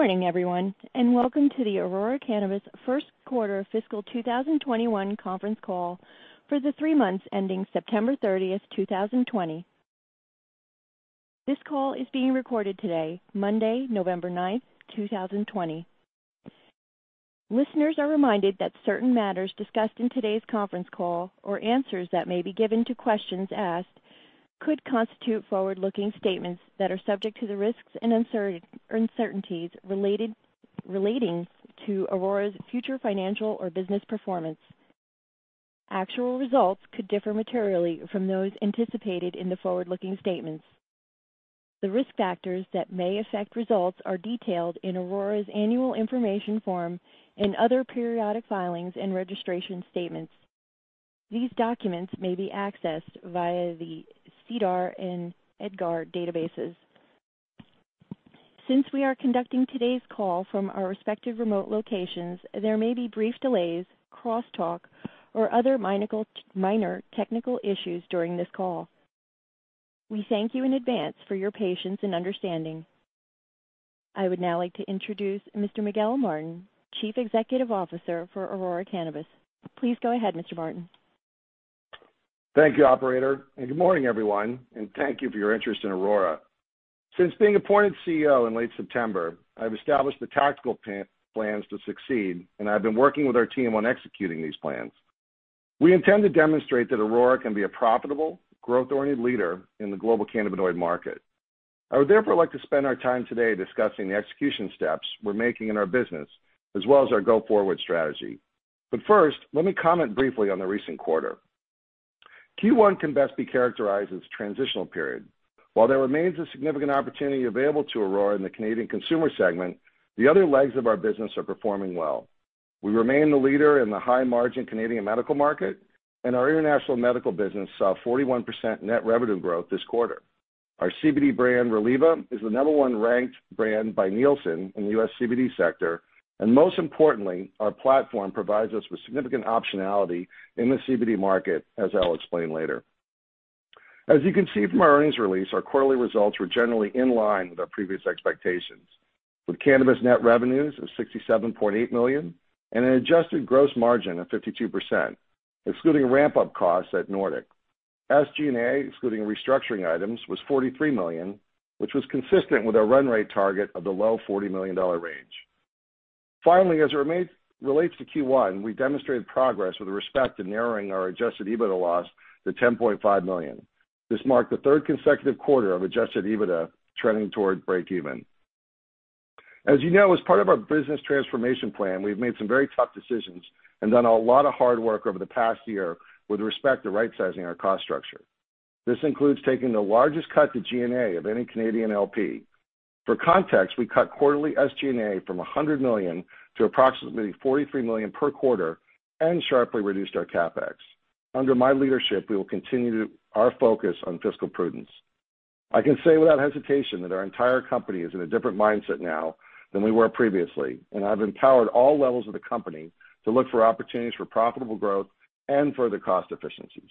Good morning, everyone, and welcome to the Aurora Cannabis first quarter fiscal 2021 conference call for the three months ending September 30th, 2020. This call is being recorded today, Monday, November 9th, 2020. Listeners are reminded that certain matters discussed in today's conference call or answers that may be given to questions asked could constitute forward-looking statements that are subject to the risks and uncertainties relating to Aurora's future financial or business performance. Actual results could differ materially from those anticipated in the forward-looking statements. The risk factors that may affect results are detailed in Aurora's annual information form and other periodic filings and registration statements. These documents may be accessed via the SEDAR and EDGAR databases. Since we are conducting today's call from our respective remote locations, there may be brief delays, cross-talk, or other minor technical issues during this call. We thank you in advance for your patience and understanding. I would now like to introduce Mr. Miguel Martin, Chief Executive Officer for Aurora Cannabis. Please go ahead, Mr. Martin. Thank you, operator. Good morning, everyone, and thank you for your interest in Aurora. Since being appointed CEO in late September, I've established the tactical plans to succeed, and I've been working with our team on executing these plans. We intend to demonstrate that Aurora can be a profitable, growth-oriented leader in the global cannabinoid market. I would therefore like to spend our time today discussing the execution steps we're making in our business, as well as our go-forward strategy. First, let me comment briefly on the recent quarter. Q1 can best be characterized as a transitional period. While there remains a significant opportunity available to Aurora in the Canadian consumer segment, the other legs of our business are performing well. We remain the leader in the high-margin Canadian medical market, and our international medical business saw 41% net revenue growth this quarter. Our CBD brand, Reliva, is the number one ranked brand by Nielsen in the U.S. CBD sector, and most importantly, our platform provides us with significant optionality in the CBD market, as I'll explain later. As you can see from our earnings release, our quarterly results were generally in line with our previous expectations, with cannabis net revenues of 67.8 million and an adjusted gross margin of 52%, excluding ramp-up costs at Nordic. SG&A, excluding restructuring items, was 43 million, which was consistent with our run rate target of the low 40 million dollar range. Finally, as it relates to Q1, we demonstrated progress with respect to narrowing our Adjusted EBITDA loss to 10.5 million. This marked the third consecutive quarter of Adjusted EBITDA trending toward break-even. As you know, as part of our business transformation plan, we've made some very tough decisions and done a lot of hard work over the past year with respect to right-sizing our cost structure. This includes taking the largest cut to SG&A of any Canadian LP. For context, we cut quarterly SG&A from 100 million to approximately 43 million per quarter and sharply reduced our CapEx. Under my leadership, we will continue our focus on fiscal prudence. I can say without hesitation that our entire company is in a different mindset now than we were previously, and I've empowered all levels of the company to look for opportunities for profitable growth and further cost efficiencies.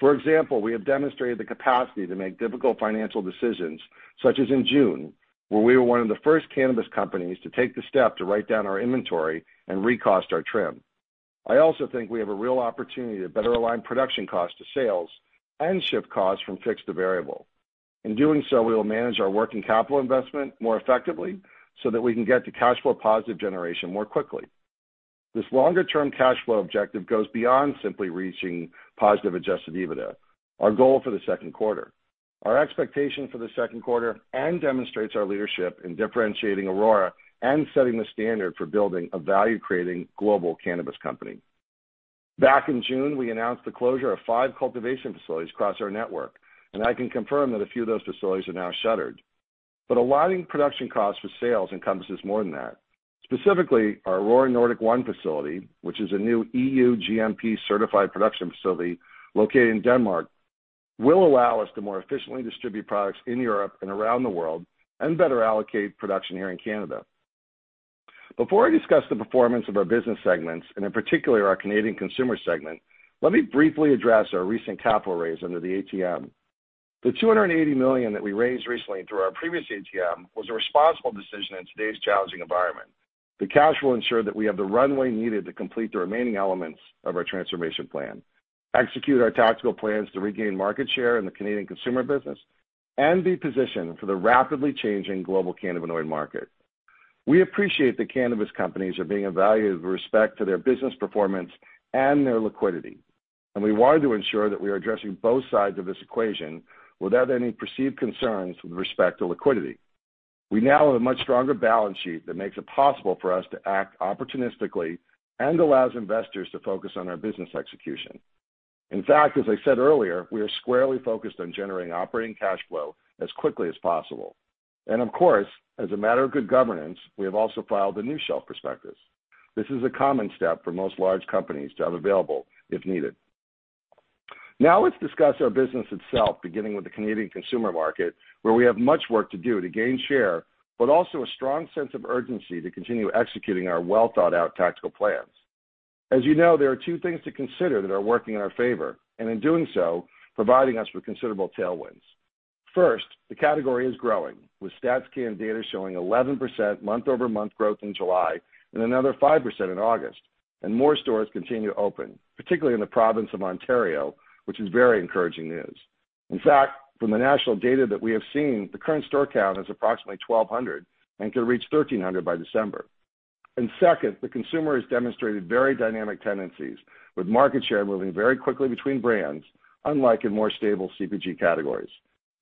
For example, we have demonstrated the capacity to make difficult financial decisions, such as in June, where we were one of the first cannabis companies to take the step to write down our inventory and recost our trim. I also think we have a real opportunity to better align production costs to sales and shift costs from fixed to variable. In doing so, we will manage our working capital investment more effectively so that we can get to cash flow positive generation more quickly. This longer-term cash flow objective goes beyond simply reaching positive Adjusted EBITDA, our goal for the second quarter. Our expectation for the second quarter demonstrates our leadership in differentiating Aurora and setting the standard for building a value-creating global cannabis company. Back in June, we announced the closure of five cultivation facilities across our network, and I can confirm that a few of those facilities are now shuttered. But aligning production costs with sales encompasses more than that. Specifically, our Aurora Nordic One facility, which is a new EU GMP-certified production facility located in Denmark, will allow us to more efficiently distribute products in Europe and around the world and better allocate production here in Canada. Before I discuss the performance of our business segments, and in particular our Canadian consumer segment, let me briefly address our recent capital raise under the ATM. The 280 million that we raised recently through our previous ATM was a responsible decision in today's challenging environment. The cash will ensure that we have the runway needed to complete the remaining elements of our transformation plan, execute our tactical plans to regain market share in the Canadian consumer business, and be positioned for the rapidly changing global cannabinoid market. We appreciate that cannabis companies are being evaluated with respect to their business performance and their liquidity, and we wanted to ensure that we are addressing both sides of this equation without any perceived concerns with respect to liquidity. We now have a much stronger balance sheet that makes it possible for us to act opportunistically and allows investors to focus on our business execution. In fact, as I said earlier, we are squarely focused on generating operating cash flow as quickly as possible. And of course, as a matter of good governance, we have also filed the new shelf prospectus. This is a common step for most large companies to have available if needed. Now let's discuss our business itself, beginning with the Canadian consumer market, where we have much work to do to gain share, but also a strong sense of urgency to continue executing our well-thought-out tactical plans. As you know, there are two things to consider that are working in our favor and, in doing so, providing us with considerable tailwinds. First, the category is growing, with StatsCan data showing 11% month-over-month growth in July and another 5% in August, and more stores continue to open, particularly in the province of Ontario, which is very encouraging news. In fact, from the national data that we have seen, the current store count is approximately 1,200 and could reach 1,300 by December. Second, the consumer has demonstrated very dynamic tendencies, with market share moving very quickly between brands, unlike in more stable CPG categories.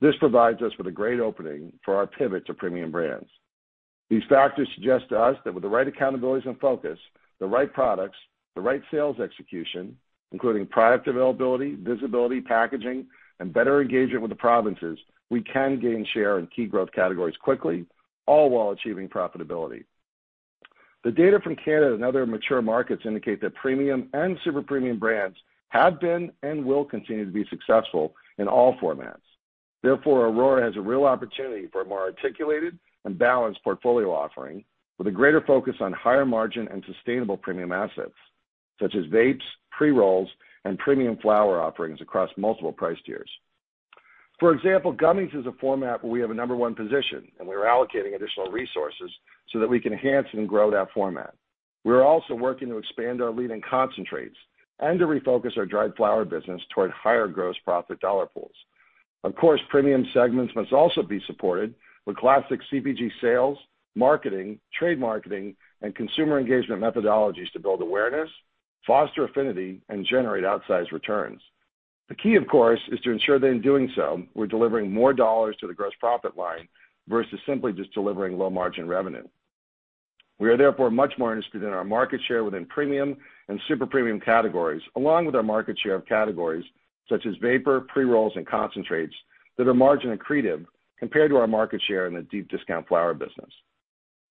This provides us with a great opening for our pivot to premium brands. These factors suggest to us that with the right accountabilities in focus, the right products, the right sales execution, including product availability, visibility, packaging, and better engagement with the provinces, we can gain share in key growth categories quickly, all while achieving profitability. The data from Canada and other mature markets indicate that premium and super premium brands have been and will continue to be successful in all formats. Therefore, Aurora has a real opportunity for a more articulated and balanced portfolio offering, with a greater focus on higher margin and sustainable premium assets, such as vapes, pre-rolls, and premium flower offerings across multiple price tiers. For example, gummies is a format where we have a number one position, and we are allocating additional resources so that we can enhance and grow that format. We are also working to expand our leading concentrates and to refocus our dried flower business toward higher gross profit dollar pools. Of course, premium segments must also be supported with classic CPG sales, marketing, trade marketing, and consumer engagement methodologies to build awareness, foster affinity, and generate outsized returns. The key, of course, is to ensure that in doing so, we're delivering more dollars to the gross profit line versus simply just delivering low-margin revenue. We are therefore much more interested in our market share within premium and super premium categories, along with our market share of categories such as vape, pre-rolls, and concentrates that are margin accretive compared to our market share in the deep discount flower business.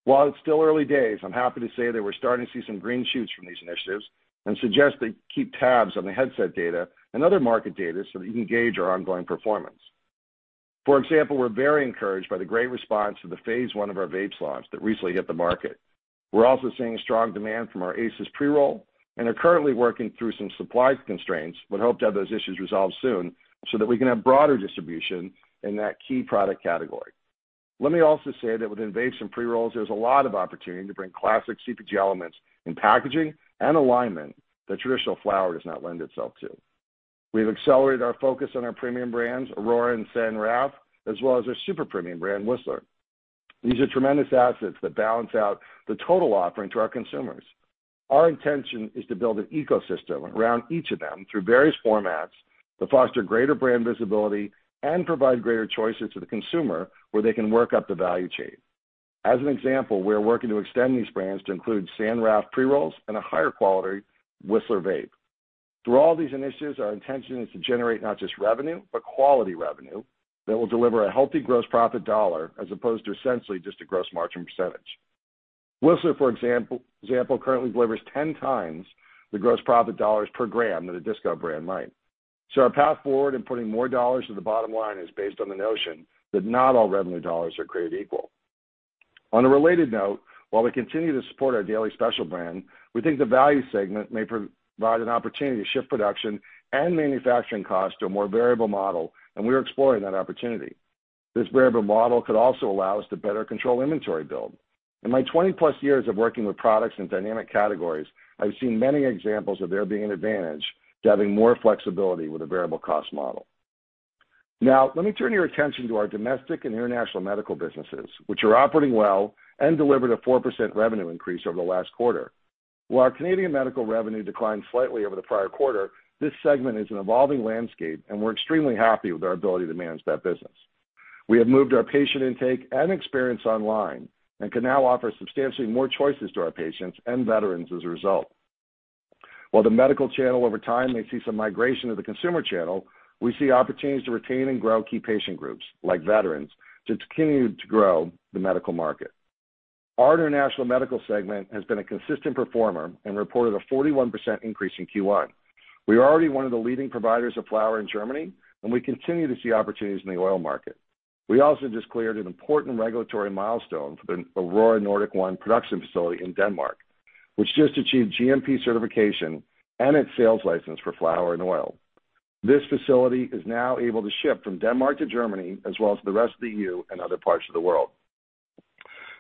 While it's still early days, I'm happy to say that we're starting to see some green shoots from these initiatives and suggest that you keep tabs on the Headset data and other market data so that you can gauge our ongoing performance. For example, we're very encouraged by the great response to the phase one of our vapes launch that recently hit the market. We're also seeing strong demand from our ACES pre-roll and are currently working through some supply constraints, but hope to have those issues resolved soon so that we can have broader distribution in that key product category. Let me also say that within vapes and pre-rolls, there's a lot of opportunity to bring classic CPG elements in packaging and alignment that traditional flower does not lend itself to. We've accelerated our focus on our premium brands, Aurora and San Raf, as well as our super premium brand, Whistler. These are tremendous assets that balance out the total offering to our consumers. Our intention is to build an ecosystem around each of them through various formats to foster greater brand visibility and provide greater choices to the consumer where they can work up the value chain. As an example, we are working to extend these brands to include San Raf pre-rolls and a higher quality Whistler vape. Through all these initiatives, our intention is to generate not just revenue, but quality revenue that will deliver a healthy gross profit dollar as opposed to essentially just a gross margin percentage. Whistler, for example, currently delivers 1 the gross profit dollars per gram that a discount brand might. Our path forward in putting more dollars to the bottom line is based on the notion that not all revenue dollars are created equal. On a related note, while we continue to support our Daily Special brand, we think the value segment may provide an opportunity to shift production and manufacturing costs to a more variable model, and we are exploring that opportunity. This variable model could also allow us to better control inventory build. In my 20+ years of working with products in dynamic categories, I've seen many examples of there being an advantage to having more flexibility with a variable cost model. Now, let me turn your attention to our domestic and international medical businesses, which are operating well and delivered a 4% revenue increase over the last quarter. While our Canadian medical revenue declined slightly over the prior quarter, this segment is an evolving landscape, and we're extremely happy with our ability to manage that business. We have moved our patient intake and experience online and can now offer substantially more choices to our patients and veterans as a result. While the medical channel over time may see some migration to the consumer channel, we see opportunities to retain and grow key patient groups, like veterans, to continue to grow the medical market. Our international medical segment has been a consistent performer and reported a 41% increase in Q1. We are already one of the leading providers of flower in Germany, and we continue to see opportunities in the oil market. We also just cleared an important regulatory milestone for the Aurora Nordic One production facility in Denmark, which just achieved GMP certification and its sales license for flower and oil. This facility is now able to ship from Denmark to Germany, as well as the rest of the EU and other parts of the world.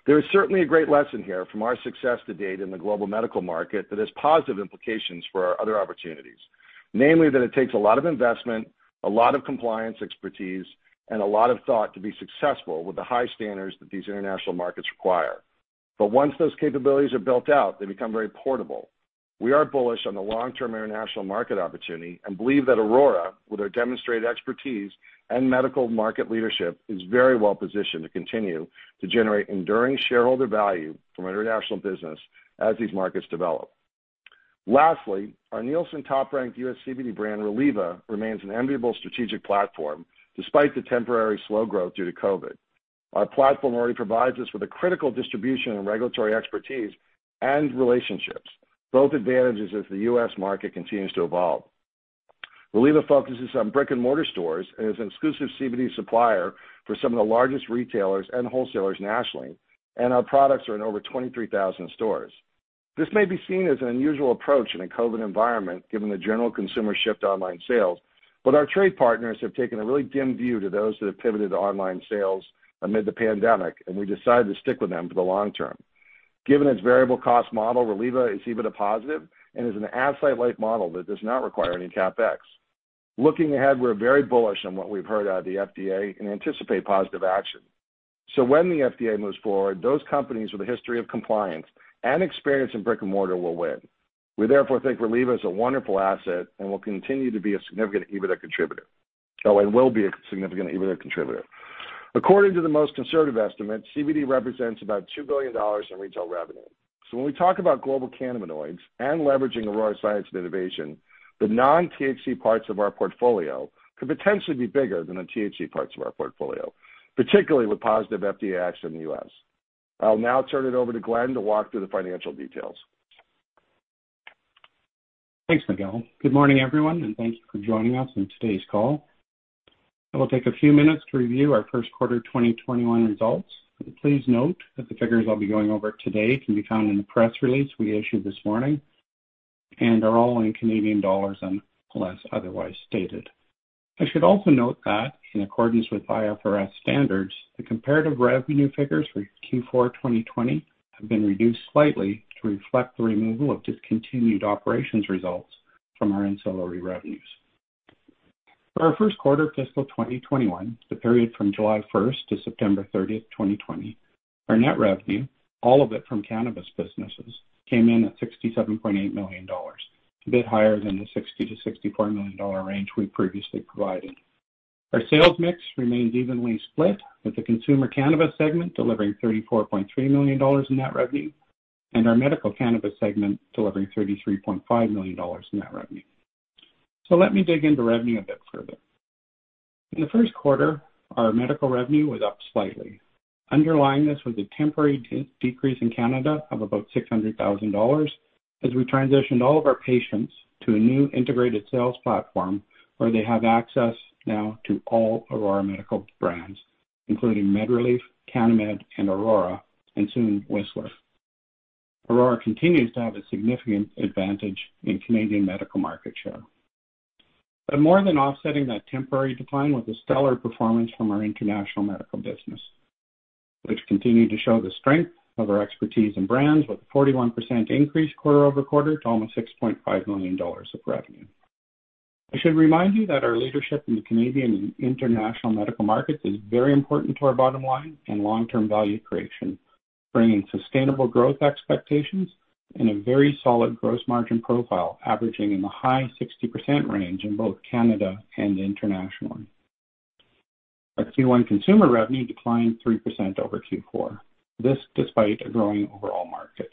There is certainly a great lesson here from our success to date in the global medical market that has positive implications for our other opportunities, namely that it takes a lot of investment, a lot of compliance expertise, and a lot of thought to be successful with the high standards that these international markets require. But once those capabilities are built out, they become very portable. We are bullish on the long-term international market opportunity and believe that Aurora, with our demonstrated expertise and medical market leadership, is very well-positioned to continue to generate enduring shareholder value from international business as these markets develop. Lastly, our Nielsen top-ranked U.S. CBD brand, Reliva, remains an enviable strategic platform despite the temporary slow growth due to COVID. Our platform already provides us with a critical distribution and regulatory expertise and relationships, both advantages as the U.S. market continues to evolve. Reliva focuses on brick-and-mortar stores and is an exclusive CBD supplier for some of the largest retailers and wholesalers nationally, and our products are in over 23,000 stores. This may be seen as an unusual approach in a COVID environment, given the general consumer shift to online sales, but our trade partners have taken a really dim view to those that have pivoted to online sales amid the pandemic, and we decided to stick with them for the long term. Given its variable cost model, Reliva is even a positive and is an asset-like model that does not require any CapEx. Looking ahead, we're very bullish on what we've heard out of the FDA and anticipate positive action, so when the FDA moves forward, those companies with a history of compliance and experience in brick-and-mortar will win. We therefore think Reliva is a wonderful asset and will continue to be a significant EBITDA contributor. According to the most conservative estimate, CBD represents about $2 billion in retail revenue. So when we talk about global cannabinoids and leveraging Aurora Science and Innovation, the non-THC parts of our portfolio could potentially be bigger than the THC parts of our portfolio, particularly with positive FDA action in the U.S. I'll now turn it over to Glen to walk through the financial details. Thanks, Miguel. Good morning, everyone, and thank you for joining us on today's call. I will take a few minutes to review our first quarter 2021 results. Please note that the figures I'll be going over today can be found in the press release we issued this morning and are all in Canadian dollars unless otherwise stated. I should also note that, in accordance with IFRS standards, the comparative revenue figures for Q4 2020 have been reduced slightly to reflect the removal of discontinued operations results from our ancillary revenues. For our first quarter fiscal 2021, the period from July 1st to September 30th, 2020, our net revenue, all of it from cannabis businesses, came in at 67.8 million dollars, a bit higher than the 60 million to 64 million dollar range we previously provided. Our sales mix remains evenly split, with the consumer cannabis segment delivering 34.3 million dollars in net revenue and our medical cannabis segment delivering 33.5 million dollars in net revenue. So let me dig into revenue a bit further. In the first quarter, our medical revenue was up slightly. Underlying this was a temporary decrease in Canada of about 600,000 dollars as we transitioned all of our patients to a new integrated sales platform where they have access now to all Aurora medical brands, including MedReleaf, CanniMed, and Aurora, and soon Whistler. Aurora continues to have a significant advantage in Canadian medical market share. More than offsetting that temporary decline was the stellar performance from our international medical business, which continued to show the strength of our expertise and brands, with a 41% increase quarter over quarter to almost 6.5 million dollars of revenue. I should remind you that our leadership in the Canadian and international medical markets is very important to our bottom line and long-term value creation, bringing sustainable growth expectations and a very solid gross margin profile, averaging in the high 60% range in both Canada and internationally. Our Q1 consumer revenue declined 3% over Q4, this despite a growing overall market.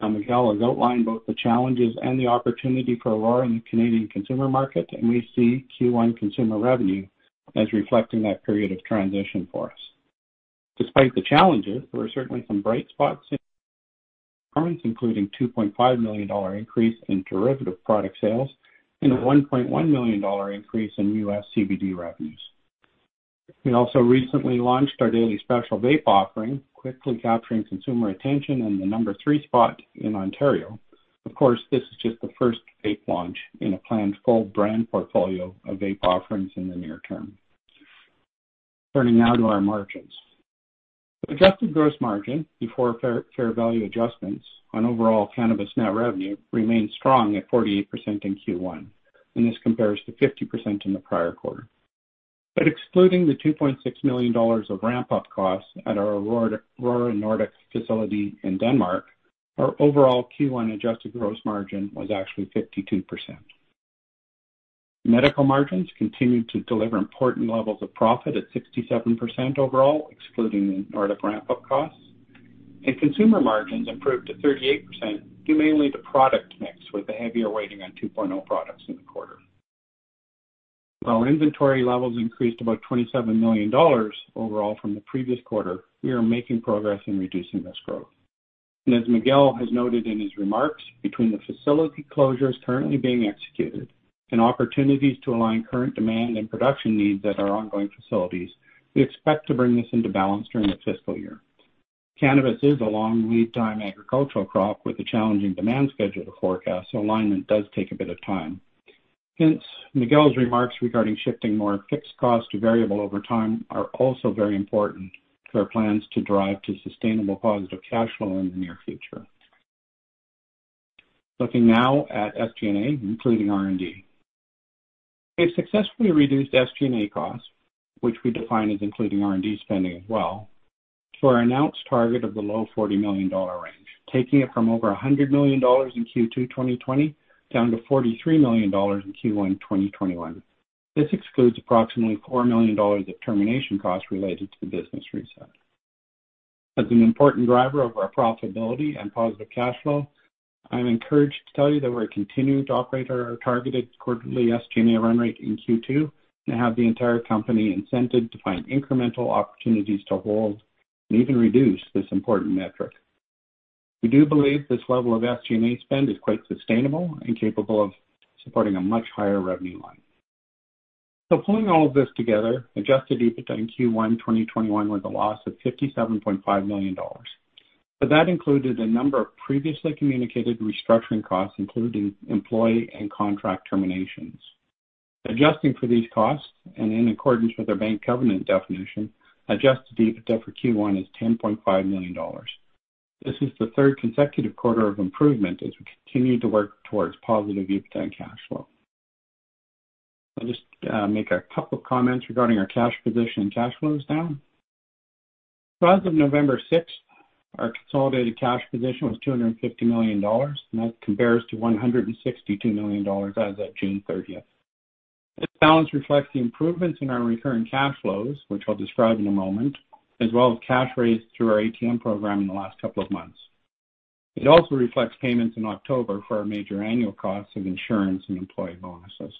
Now, Miguel has outlined both the challenges and the opportunity for Aurora in the Canadian consumer market, and we see Q1 consumer revenue as reflecting that period of transition for us. Despite the challenges, there were certainly some bright spots in performance, including a 2.5 million dollar increase in derivative product sales and a $1.1 million increase in US CBD revenues. We also recently launched our Daily Special vape offering, quickly capturing consumer attention and the number three spot in Ontario. Of course, this is just the first vape launch in a planned full brand portfolio of vape offerings in the near term. Turning now to our margins. The adjusted gross margin before fair value adjustments on overall cannabis net revenue remained strong at 48% in Q1, and this compares to 50% in the prior quarter. But excluding the 2.6 million dollars of ramp-up costs at our Aurora Nordic facility in Denmark, our overall Q1 adjusted gross margin was actually 52%. Medical margins continued to deliver important levels of profit at 67% overall, excluding the Nordic ramp-up costs, and consumer margins improved to 38% due mainly to product mix, with a heavier weighting on 2.0 products in the quarter. While inventory levels increased about 27 million dollars overall from the previous quarter, we are making progress in reducing this growth, and as Miguel has noted in his remarks, between the facility closures currently being executed and opportunities to align current demand and production needs at our ongoing facilities, we expect to bring this into balance during the fiscal year. Cannabis is a long lead-time agricultural crop with a challenging demand schedule to forecast, so alignment does take a bit of time. Hence, Miguel's remarks regarding shifting more fixed costs to variable over time are also very important to our plans to drive to sustainable positive cash flow in the near future. Looking now at SG&A, including R&D. We have successfully reduced SG&A costs, which we define as including R&D spending as well, to our announced target of the low CAD 40 million range, taking it from over 100 million dollars in Q2 2020 down to 43 million dollars in Q1 2021. This excludes approximately 4 million dollars of termination costs related to the business reset. As an important driver of our profitability and positive cash flow, I'm encouraged to tell you that we're continuing to operate our targeted quarterly SG&A run rate in Q2 and have the entire company incented to find incremental opportunities to hold and even reduce this important metric. We do believe this level of SG&A spend is quite sustainable and capable of supporting a much higher revenue line. So pulling all of this together, Adjusted EBITDA in Q1 2021 was a loss of 57.5 million dollars. But that included a number of previously communicated restructuring costs, including employee and contract terminations. Adjusting for these costs, and in accordance with our bank covenant definition, Adjusted EBITDA for Q1 is 10.5 million dollars. This is the third consecutive quarter of improvement as we continue to work towards positive EBITDA and cash flow. I'll just make a couple of comments regarding our cash position and cash flows now. As of November 6th, our consolidated cash position was 250 million dollars, and that compares to 162 million dollars as of June 30th. This balance reflects the improvements in our recurring cash flows, which I'll describe in a moment, as well as cash raised through our ATM program in the last couple of months. It also reflects payments in October for our major annual costs of insurance and employee bonuses.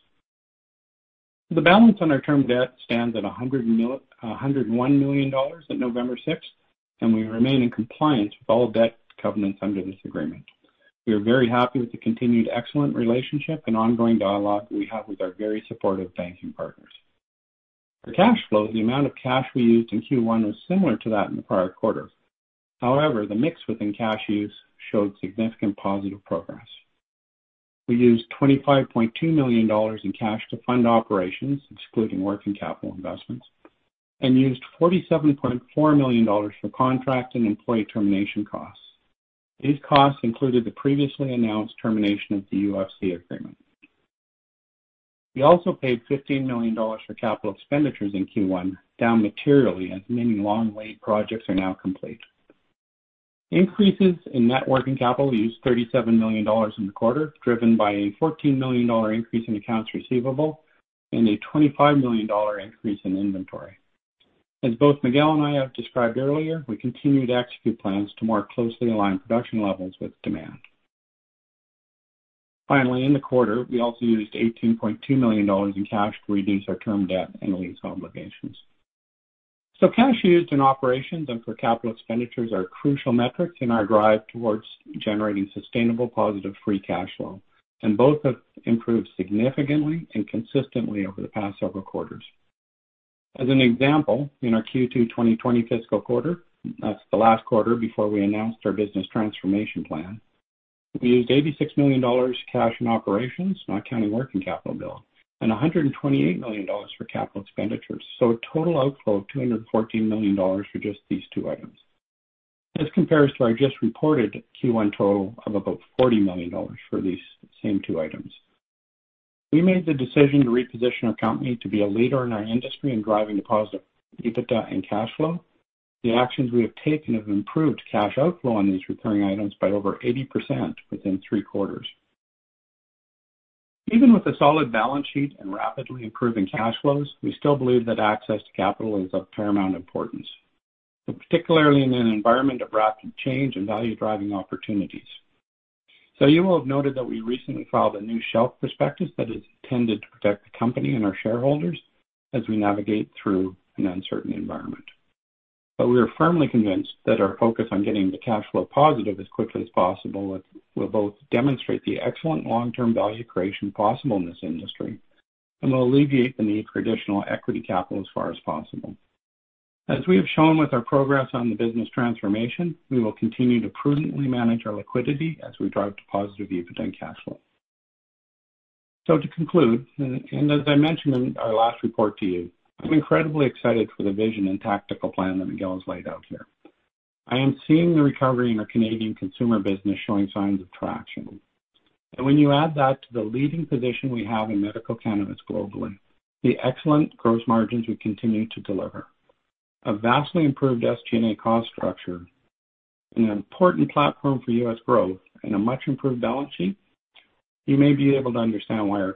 The balance on our term debt stands at 101 million dollars at November 6th, and we remain in compliance with all debt covenants under this agreement. We are very happy with the continued excellent relationship and ongoing dialogue we have with our very supportive banking partners. For cash flows, the amount of cash we used in Q1 was similar to that in the prior quarter. However, the mix within cash use showed significant positive progress. We used 25.2 million dollars in cash to fund operations, excluding working capital investments, and used 47.4 million dollars for contract and employee termination costs. These costs included the previously announced termination of the UFC agreement. We also paid 15 million dollars for capital expenditures in Q1, down materially as many long-awaited projects are now complete. Increases in net working capital used 37 million dollars in the quarter, driven by a 14 million dollar increase in accounts receivable and a 25 million dollar increase in inventory. As both Miguel and I have described earlier, we continue to execute plans to more closely align production levels with demand. Finally, in the quarter, we also used 18.2 million dollars in cash to reduce our term debt and lease obligations. So cash used in operations and for capital expenditures are crucial metrics in our drive towards generating sustainable positive free cash flow, and both have improved significantly and consistently over the past several quarters. As an example, in our Q2 2020 fiscal quarter, that's the last quarter before we announced our business transformation plan, we used 86 million dollars cash in operations, not counting working capital build, and 128 million dollars for capital expenditures, so a total outflow of 214 million dollars for just these two items. This compares to our just reported Q1 total of about 40 million dollars for these same two items. We made the decision to reposition our company to be a leader in our industry in driving to positive EBITDA and cash flow. The actions we have taken have improved cash outflow on these recurring items by over 80% within three quarters. Even with a solid balance sheet and rapidly improving cash flows, we still believe that access to capital is of paramount importance, particularly in an environment of rapid change and value-driving opportunities. You will have noted that we recently filed a new shelf prospectus that is intended to protect the company and our shareholders as we navigate through an uncertain environment. We are firmly convinced that our focus on getting the cash flow positive as quickly as possible will both demonstrate the excellent long-term value creation possible in this industry and will alleviate the need for additional equity capital as far as possible. As we have shown with our progress on the business transformation, we will continue to prudently manage our liquidity as we drive to positive EBITDA and cash flow. To conclude, and as I mentioned in our last report to you, I'm incredibly excited for the vision and tactical plan that Miguel has laid out here. I am seeing the recovery in our Canadian consumer business showing signs of traction. And when you add that to the leading position we have in medical cannabis globally, the excellent gross margins we continue to deliver, a vastly improved SG&A cost structure, and an important platform for U.S. growth, and a much improved balance sheet, you may be able to understand why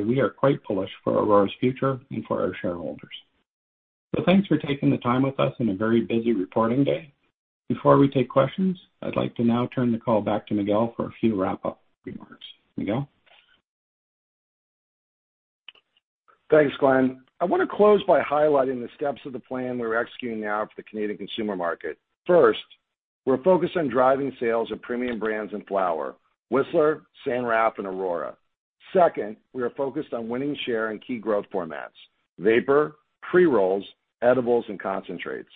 we are quite bullish for Aurora's future and for our shareholders. So thanks for taking the time with us on a very busy reporting day. Before we take questions, I'd like to now turn the call back to Miguel for a few wrap-up remarks. Miguel? Thanks, Glen. I want to close by highlighting the steps of the plan we're executing now for the Canadian consumer market. First, we're focused on driving sales of premium brands in flower, Whistler, San Raf, and Aurora. Second, we are focused on winning share in key growth formats: vapor, pre-rolls, edibles, and concentrates.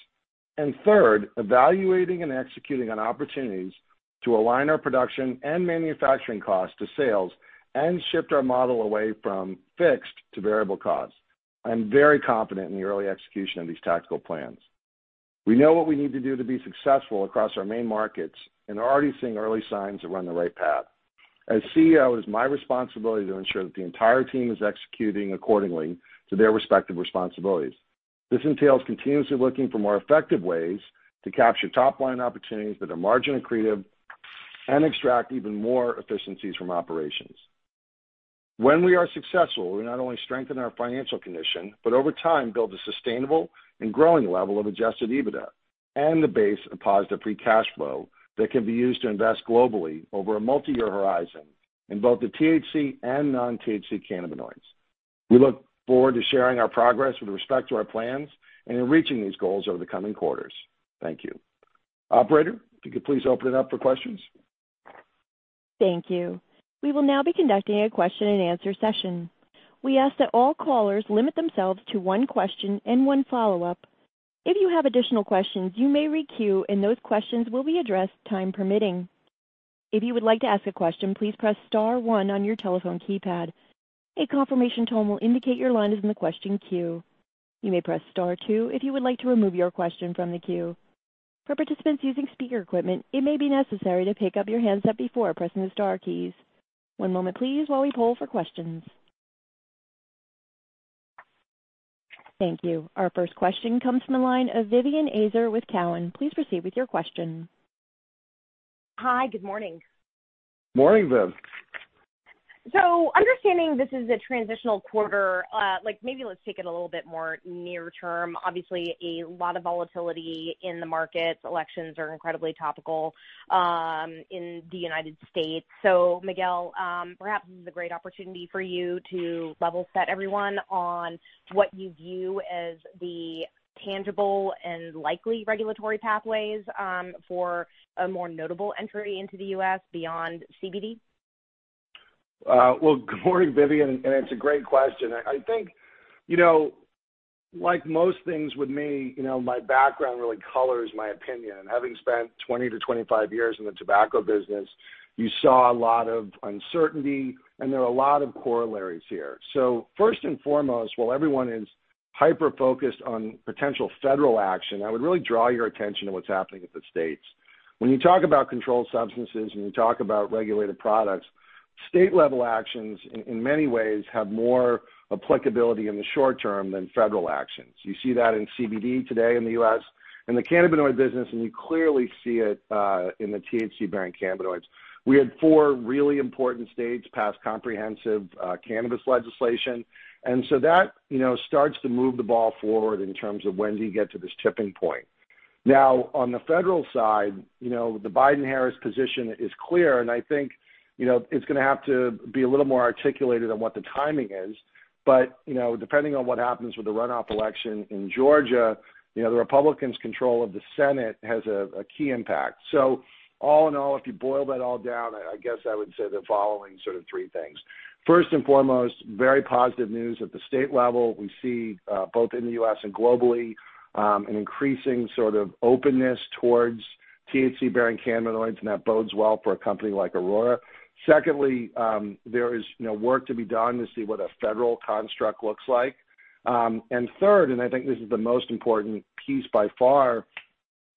Third, evaluating and executing on opportunities to align our production and manufacturing costs to sales and shift our model away from fixed to variable costs. I'm very confident in the early execution of these tactical plans. We know what we need to do to be successful across our main markets and are already seeing early signs to run the right path. As CEO, it is my responsibility to ensure that the entire team is executing accordingly to their respective responsibilities. This entails continuously looking for more effective ways to capture top-line opportunities that are margin accretive and extract even more efficiencies from operations. When we are successful, we not only strengthen our financial condition, but over time build a sustainable and growing level of Adjusted EBITDA and the base of positive free cash flow that can be used to invest globally over a multi-year horizon in both the THC and non-THC cannabinoids. We look forward to sharing our progress with respect to our plans and in reaching these goals over the coming quarters. Thank you. Operator, if you could please open it up for questions. Thank you. We will now be conducting a question-and-answer session. We ask that all callers limit themselves to one question and one follow-up. If you have additional questions, you may re-queue, and those questions will be addressed time permitting. If you would like to ask a question, please press star one on your telephone keypad. A confirmation tone will indicate your line is in the question queue. You may press star two if you would like to remove your question from the queue. For participants using speaker equipment, it may be necessary to pick up your handset before pressing the star key. One moment, please, while we poll for questions. Thank you. Our first question comes from the line of Vivien Azer with Cowen. Please proceed with your question. Hi, good morning. Morning, Viv. So understanding this is a transitional quarter, maybe let's take it a little bit more near-term. Obviously, a lot of volatility in the markets. Elections are incredibly topical in the United States. So Miguel, perhaps this is a great opportunity for you to level set everyone on what you view as the tangible and likely regulatory pathways for a more notable entry into the U.S. beyond CBD? Well, good morning, Vivien, and it's a great question. I think, like most things with me, my background really colors my opinion. Having spent 20-25 years in the tobacco business, you saw a lot of uncertainty, and there are a lot of corollaries here. So first and foremost, while everyone is hyper-focused on potential federal action, I would really draw your attention to what's happening at the states. When you talk about controlled substances and you talk about regulated products, state-level actions in many ways have more applicability in the short term than federal actions. You see that in CBD today in the U.S. and the cannabinoid business, and you clearly see it in the THC brand cannabinoids. We had four really important states pass comprehensive cannabis legislation, and so that starts to move the ball forward in terms of when do you get to this tipping point. Now, on the federal side, the Biden-Harris position is clear, and I think it's going to have to be a little more articulated on what the timing is. But depending on what happens with the runoff election in Georgia, the Republicans' control of the Senate has a key impact. So all in all, if you boil that all down, I guess I would say the following sort of three things. First and foremost, very positive news at the state level. We see, both in the U.S. and globally, an increasing sort of openness towards THC-bearing cannabinoids, and that bodes well for a company like Aurora. Secondly, there is work to be done to see what a federal construct looks like. And third, and I think this is the most important piece by far,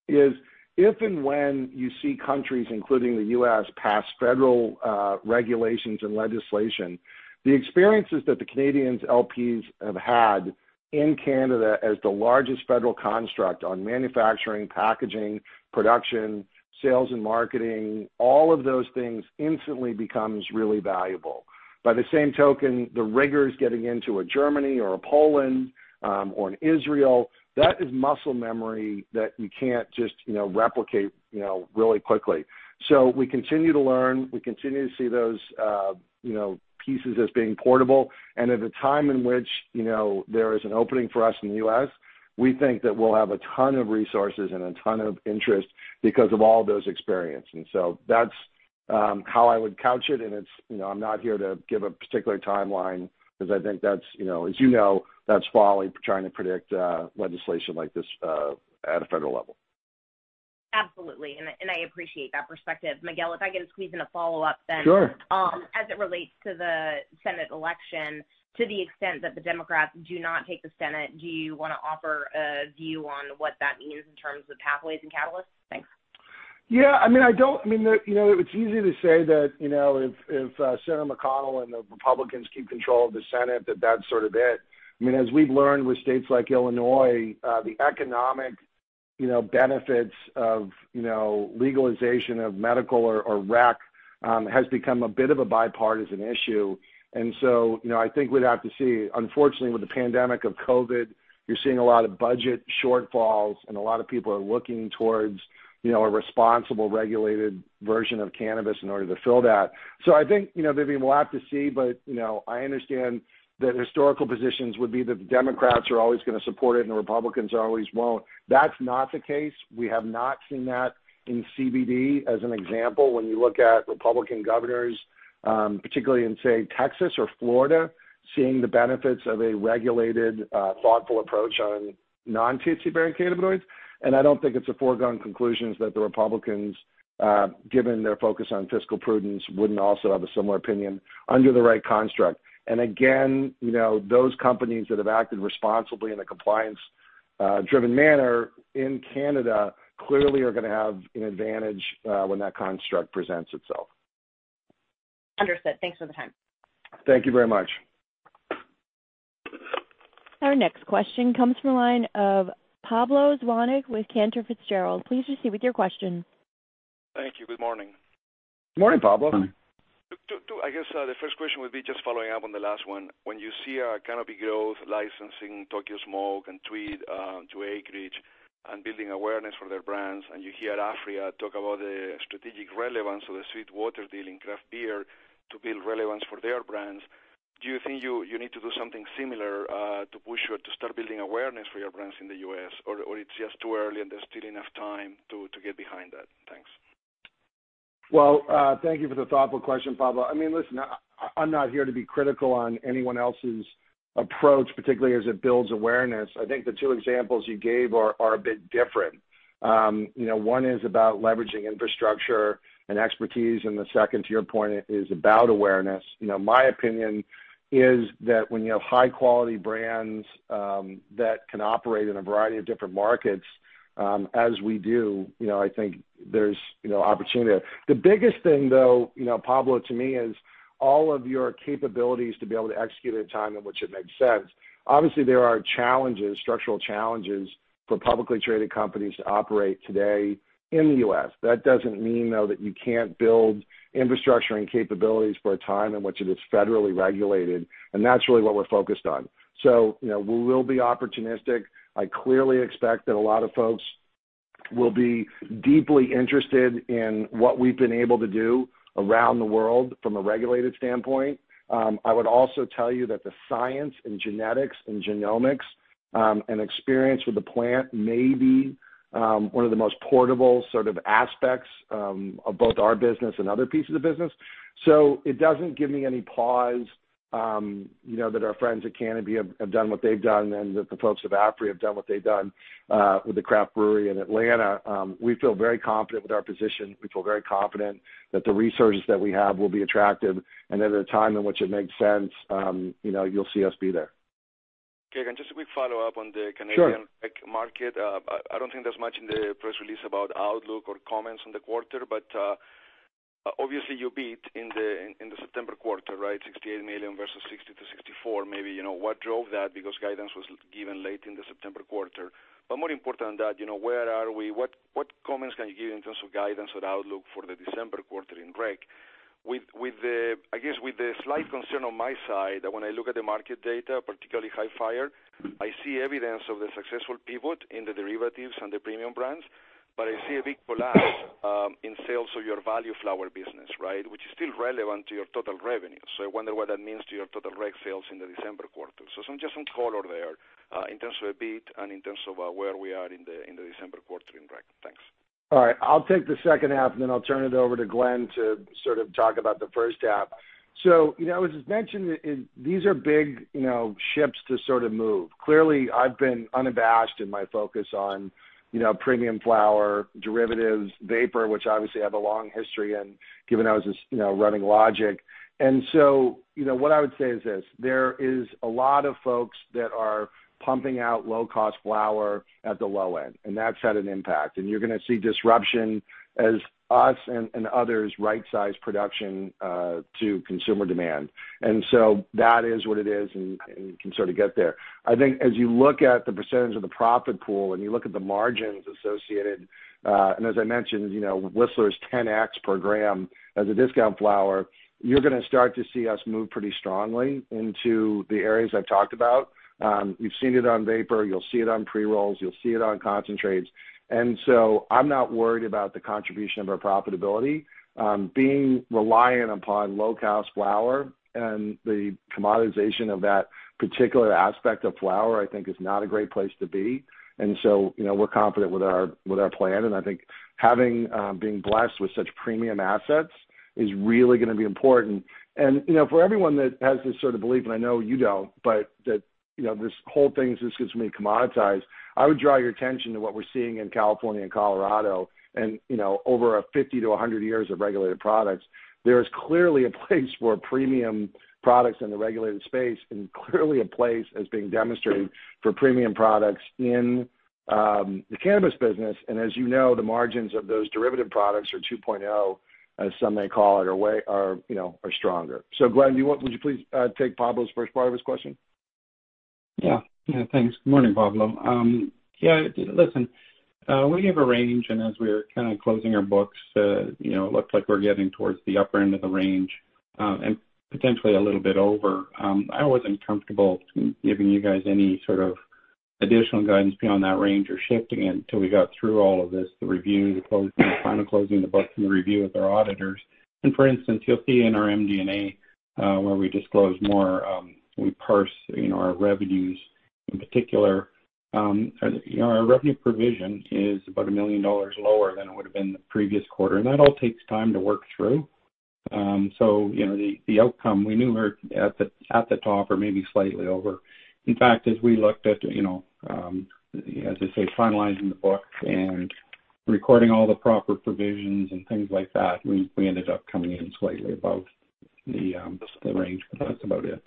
is if and when you see countries, including the U.S., pass federal regulations and legislation, the experiences that the Canadians' LPs have had in Canada as the largest federal construct on manufacturing, packaging, production, sales, and marketing, all of those things instantly become really valuable. By the same token, the rigors getting into a Germany or a Poland or an Israel, that is muscle memory that you can't just replicate really quickly. So we continue to learn. We continue to see those pieces as being portable. And at a time in which there is an opening for us in the U.S., we think that we'll have a ton of resources and a ton of interest because of all those experiences. And so that's how I would couch it, and I'm not here to give a particular timeline because I think, as you know, that's folly trying to predict legislation like this at a federal level. Absolutely. And I appreciate that perspective. Miguel, if I get a squeeze in a follow-up, then. Sure. As it relates to the Senate election, to the extent that the Democrats do not take the Senate, do you want to offer a view on what that means in terms of pathways and catalysts? Thanks. Yeah. I mean, I don't mean it's easy to say that if Senator McConnell and the Republicans keep control of the Senate, that that's sort of it. I mean, as we've learned with states like Illinois, the economic benefits of legalization of medical or rec has become a bit of a bipartisan issue. And so I think we'd have to see. Unfortunately, with the pandemic of COVID, you're seeing a lot of budget shortfalls, and a lot of people are looking towards a responsible regulated version of cannabis in order to fill that, so I think, Vivien, we'll have to see, but I understand that historical positions would be that the Democrats are always going to support it and the Republicans always won't. That's not the case. We have not seen that in CBD as an example, when you look at Republican governors, particularly in, say, Texas or Florida, seeing the benefits of a regulated, thoughtful approach on non-THC-bearing cannabinoids, and I don't think it's a foregone conclusion that the Republicans, given their focus on fiscal prudence, wouldn't also have a similar opinion under the right construct. Again, those companies that have acted responsibly in a compliance-driven manner in Canada clearly are going to have an advantage when that construct presents itself. Understood. Thanks for the time. Thank you very much. Our next question comes from a line of Pablo Zuanic with Cantor Fitzgerald. Please proceed with your question. Thank you. Good morning. Good morning, Pablo. Good morning. I guess the first question would be just following up on the last one. When you see Canopy Growth licensing Tokyo Smoke and Tweed to Acreage and building awareness for their brands, and you hear Aphria talk about the strategic relevance of the SweetWater deal in craft beer to build relevance for their brands, do you think you need to do something similar to push or to start building awareness for your brands in the U.S., or it's j ust too early and there's still enough time to get behind that? Thanks. Well, thank you for the thoughtful question, Pablo. I mean, listen, I'm not here to be critical on anyone else's approach, particularly as it builds awareness. I think the two examples you gave are a bit different. One is about leveraging infrastructure and expertise, and the second, to your point, is about awareness. My opinion is that when you have high-quality brands that can operate in a variety of different markets, as we do, I think there's opportunity. The biggest thing, though, Pablo, to me, is all of your capabilities to be able to execute at a time in which it makes sense. Obviously, there are challenges, structural challenges, for publicly traded companies to operate today in the U.S. That doesn't mean, though, that you can't build infrastructure and capabilities for a time in which it is federally regulated, and that's really what we're focused on. So we will be opportunistic. I clearly expect that a lot of folks will be deeply interested in what we've been able to do around the world from a regulated standpoint. I would also tell you that the science and genetics and genomics and experience with the plant may be one of the most portable sort of aspects of both our business and other pieces of business. So it doesn't give me any pause that our friends at Canopy have done what they've done and that the folks at Aphria have done what they've done with the craft brewery in Atlanta. We feel very confident with our position. We feel very confident that the resources that we have will be attractive, and at a time in which it makes sense, you'll see us be there. Okay. And just a quick follow-up on the Canadian market. I don't think there's much in the press release about outlook or comments on the quarter, but obviously, you beat in the September quarter, right? 68 million versus 60 million-64 million, maybe. What drove that? Because guidance was given late in the September quarter. But more important than that, where are we? What comments can you give in terms of guidance or outlook for the December quarter in rec? I guess with the slight concern on my side that when I look at the market data, particularly HiFyre, I see evidence of the successful pivot in the derivatives and the premium brands, but I see a big collapse in sales of your value flower business, right, which is still relevant to your total revenue. So I wonder what that means to your total rec sales in the December quarter. So just some color there in terms of a beat and in terms of where we are in the December quarter in rec. Thanks. All right. I'll take the second half, and then I'll turn it over to Glen to sort of talk about the first half, so as mentioned, these are big ships to sort of move. Clearly, I've been unabashed in my focus on premium flower, derivatives, vapor, which obviously have a long history in giving those running logic, and so what I would say is this: there is a lot of folks that are pumping out low-cost flower at the low end, and that's had an impact, and you're going to see disruption as us and others right-size production to consumer demand, and so that is what it is, and you can sort of get there. I think as you look at the percentage of the profit pool and you look at the margins associated, and as I mentioned, Whistler's 10x per gram as a discount flower, you're going to start to see us move pretty strongly into the areas I've talked about. You've seen it on vapor. You'll see it on pre-rolls. You'll see it on concentrates. And so I'm not worried about the contribution of our profitability. Being reliant upon low-cost flower and the commoditization of that particular aspect of flower, I think, is not a great place to be. And so we're confident with our plan, and I think being blessed with such premium assets is really going to be important. And for everyone that has this sort of belief, and I know you don't, but that this whole thing just gives me commoditized, I would draw your attention to what we're seeing in California and Colorado. And over 50-100 years of regulated products, there is clearly a place for premium products in the regulated space and clearly a place as being demonstrated for premium products in the cannabis business. And as you know, the margins of those derivative products are 2.0, as some may call it, are stronger. So Glen, would you please take Pablo's first part of his question? Yeah. Yeah. Thanks. Good morning, Pablo. Yeah. Listen, we have a range, and as we're kind of closing our books, it looks like we're getting towards the upper end of the range and potentially a little bit over. I wasn't comfortable giving you guys any sort of additional guidance beyond that range or shifting it until we got through all of this, the review, the final closing of the book, and the review with our auditors. And for instance, you'll see in our MD&A where we disclose more. We parse our revenues. In particular, our revenue provision is about 1 million dollars lower than it would have been the previous quarter. And that all takes time to work through. So the outcome, we knew we were at the top or maybe slightly over. In fact, as we looked at, as I say, finalizing the book and recording all the proper provisions and things like that, we ended up coming in slightly above the range. But that's about it.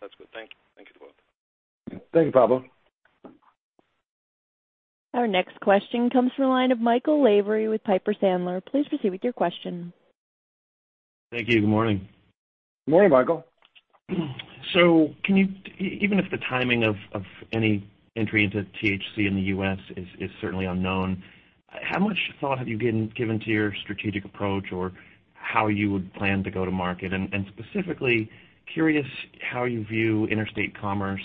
That's good. Thank you. Thank you to both. Thank you, Pablo. Our next question comes from a line of Michael Lavery with Piper Sandler. Please proceed with your question. Thank you. Good morning. Good morning, Michael. So even if the timing of any entry into THC in the U.S. is certainly unknown, how much thought have you given to your strategic approach or how you would plan to go to market? And specifically, curious how you view interstate commerce.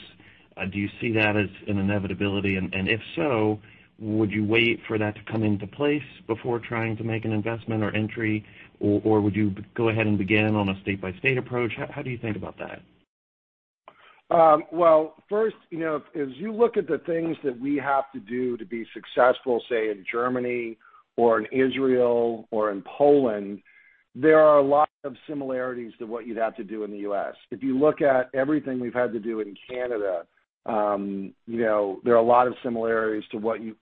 Do you see that as an inevitability? And if so, would you wait for that to come into place before trying to make an investment or entry, or would you go ahead and begin on a state-by-state approach? How do you think about that? First, as you look at the things that we have to do to be successful, say, in Germany or in Israel or in Poland, there are a lot of similarities to what you'd have to do in the U.S. If you look at everything we've had to do in Canada, there are a lot of similarities to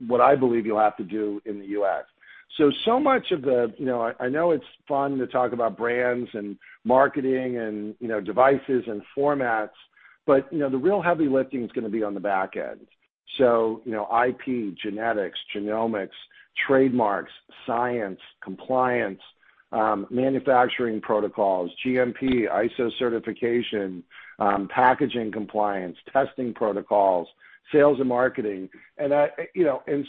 what I believe you'll have to do in the U.S. So much of the, I know it's fun to talk about brands and marketing and devices and formats, but the real heavy lifting is going to be on the back end. So IP, genetics, genomics, trademarks, science, compliance, manufacturing protocols, GMP, ISO certification, packaging compliance, testing protocols, sales and marketing. And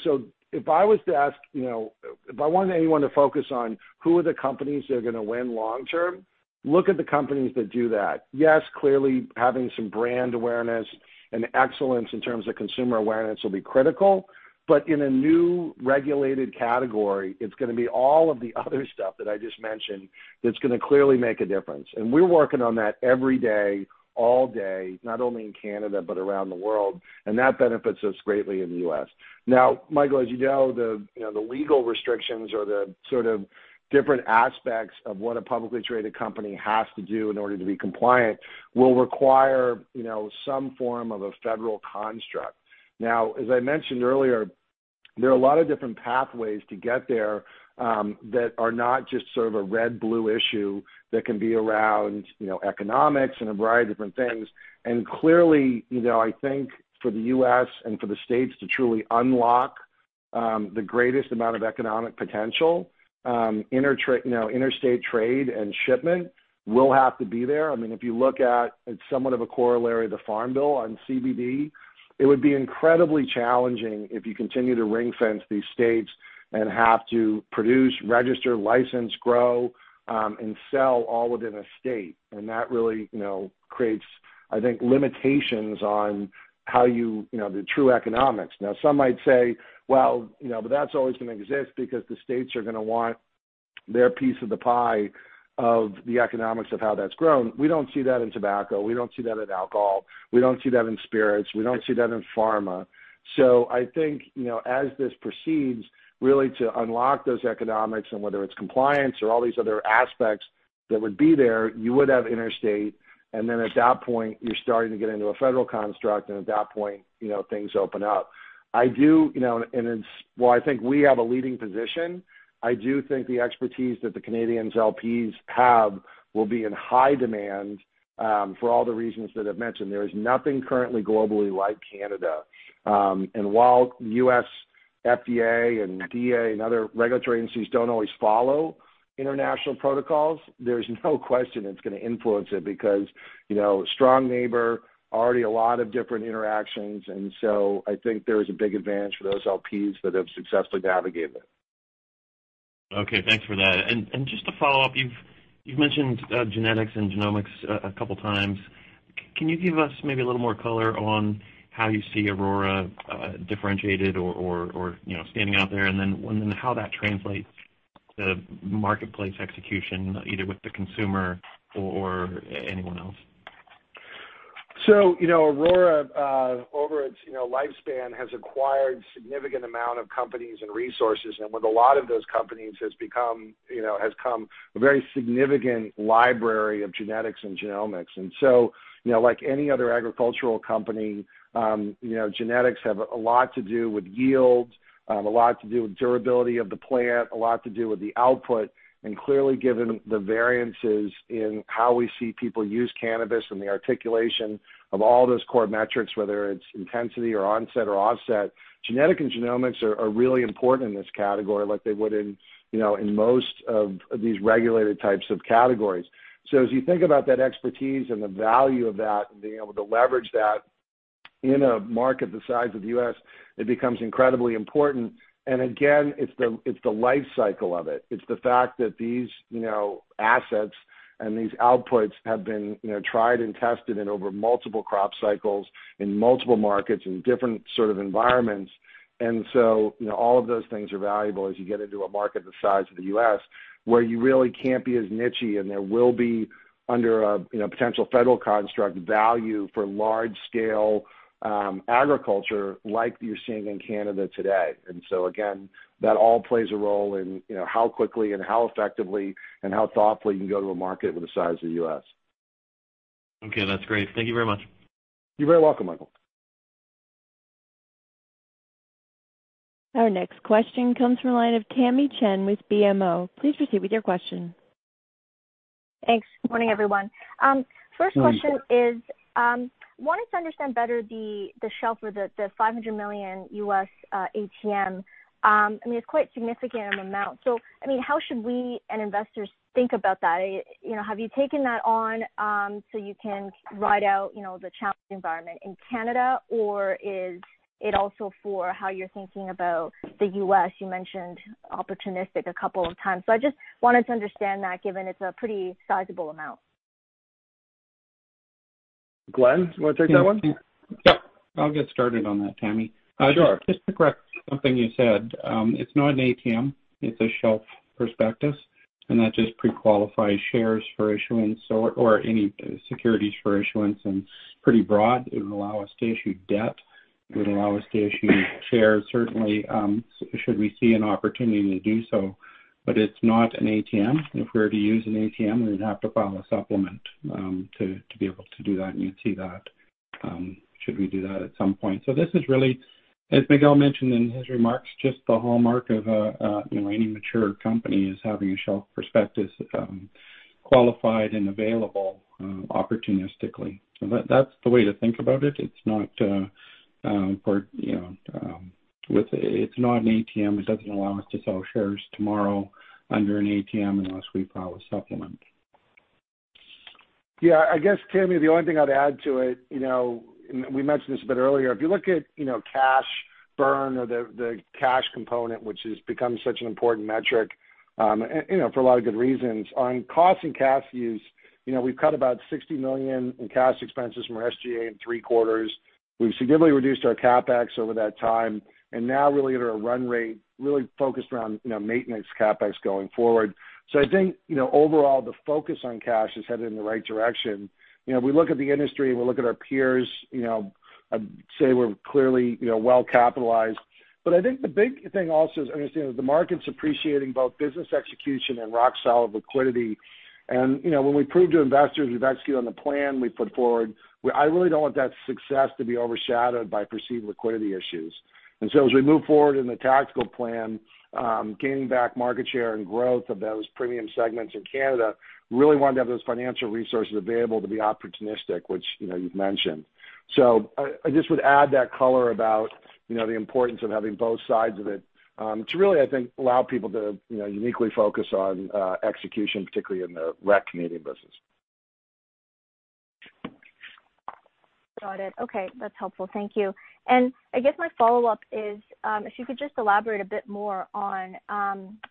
so if I was to ask if I wanted anyone to focus on who are the companies that are going to win long-term, look at the companies that do that. Yes, clearly, having some brand awareness and excellence in terms of consumer awareness will be critical, but in a new regulated category, it's going to be all of the other stuff that I just mentioned that's going to clearly make a difference, and we're working on that every day, all day, not only in Canada but around the world, and that benefits us greatly in the U.S. Now, Michael, as you know, the legal restrictions or the sort of different aspects of what a publicly traded company has to do in order to be compliant will require some form of a federal construct. Now, as I mentioned earlier, there are a lot of different pathways to get there that are not just sort of a red-blue issue that can be around economics and a variety of different things. Clearly, I think for the U.S. and for the states to truly unlock the greatest amount of economic potential, interstate trade and shipment will have to be there. I mean, if you look at somewhat of a corollary of the Farm Bill on CBD, it would be incredibly challenging if you continue to ring-fence these states and have to produce, register, license, grow, and sell all within a state. That really creates, I think, limitations on how you the true economics. Now, some might say, "Well, but that's always going to exist because the states are going to want their piece of the pie of the economics of how that's grown." We don't see that in tobacco. We don't see that in alcohol. We don't see that in spirits. We don't see that in pharma. So, I think as this proceeds, really to unlock those economics and whether it's compliance or all these other aspects that would be there, you would have interstate. And then at that point, you're starting to get into a federal construct, and at that point, things open up. I do, and it's well, I think we have a leading position. I do think the expertise that the Canadians' LPs have will be in high demand for all the reasons that I've mentioned. There is nothing currently globally like Canada. And while U.S. FDA and DEA and other regulatory agencies don't always follow international protocols, there's no question it's going to influence it because strong neighbor, already a lot of different interactions. And so I think there is a big advantage for those LPs that have successfully navigated it. Okay. Thanks for that. And just to follow up, you've mentioned genetics and genomics a couple of times. Can you give us maybe a little more color on how you see Aurora differentiated or standing out there and then how that translates to marketplace execution, either with the consumer or anyone else? So Aurora, over its lifespan, has acquired a significant amount of companies and resources, and with a lot of those companies, has come a very significant library of genetics and genomics. And so like any other agricultural company, genetics have a lot to do with yield, a lot to do with durability of the plant, a lot to do with the output. Clearly, given the variances in how we see people use cannabis and the articulation of all those core metrics, whether it's intensity or onset or offset, genetics and genomics are really important in this category like they would in most of these regulated types of categories. So as you think about that expertise and the value of that and being able to leverage that in a market the size of the U.S., it becomes incredibly important. And again, it's the life cycle of it. It's the fact that these assets and these outputs have been tried and tested in over multiple crop cycles in multiple markets in different sort of environments. And so all of those things are valuable as you get into a market the size of the U.S. where you really can't be as niche-y, and there will be, under a potential federal construct, value for large-scale agriculture like you're seeing in Canada today. And so again, that all plays a role in how quickly and how effectively and how thoughtfully you can go to a market with the size of the U.S. Okay. That's great. Thank you very much. You're very welcome, Michael. Our next question comes from a line of Tamy Chen with BMO. Please proceed with your question. Thanks. Good morning, everyone. First question is, I wanted to understand better the shelf or the $500 million U.S. ATM. I mean, it's quite a significant amount. So I mean, how should we and investors think about that? Have you taken that on so you can ride out the challenging environment in Canada, or is it also for how you're thinking about the U.S.? You mentioned opportunistic a couple of times. So I just wanted to understand that given it's a pretty sizable amount. Glen, you want to take that one? Yep. I'll get started on that, Tamy. Just to correct something you said, it's not an ATM. It's a shelf prospectus, and that just pre-qualifies shares for issuance or any securities for issuance, and pretty broad, it would allow us to issue debt. It would allow us to issue shares, certainly, should we see an opportunity to do so, but it's not an ATM. If we were to use an ATM, we would have to file a supplement to be able to do that, and you'd see that should we do that at some point. This is really, as Miguel mentioned in his remarks, just the hallmark of any mature company: having a shelf prospectus qualified and available opportunistically. That's the way to think about it. It's not an ATM. It doesn't allow us to sell shares tomorrow under an ATM unless we file a supplement. Yeah. I guess, Tammy, the only thing I'd add to it, and we mentioned this a bit earlier, if you look at cash burn or the cash component, which has become such an important metric for a lot of good reasons, on cost and cash use, we've cut about 60 million in cash expenses from our SG&A in three quarters. We've significantly reduced our CapEx over that time. Now, really, at our run rate, really focused around maintenance CapEx going forward. So I think overall, the focus on cash is headed in the right direction. We look at the industry, and we look at our peers. I'd say we're clearly well-capitalized. But I think the big thing also is understanding that the market's appreciating both business execution and rock-solid liquidity. And when we prove to investors we've executed on the plan we put forward, I really don't want that success to be overshadowed by perceived liquidity issues. And so as we move forward in the tactical plan, gaining back market share and growth of those premium segments in Canada, really wanting to have those financial resources available to be opportunistic, which you've mentioned. So I just would add that color about the importance of having both sides of it to really, I think, allow people to uniquely focus on execution, particularly in the rec Canadian business. Got it. Okay. That's helpful. Thank you. And I guess my follow-up is, if you could just elaborate a bit more on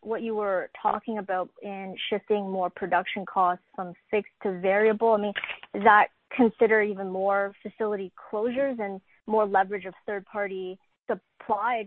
what you were talking about in shifting more production costs from fixed to variable. I mean, does that consider even more facility closures and more leverage of third-party supply?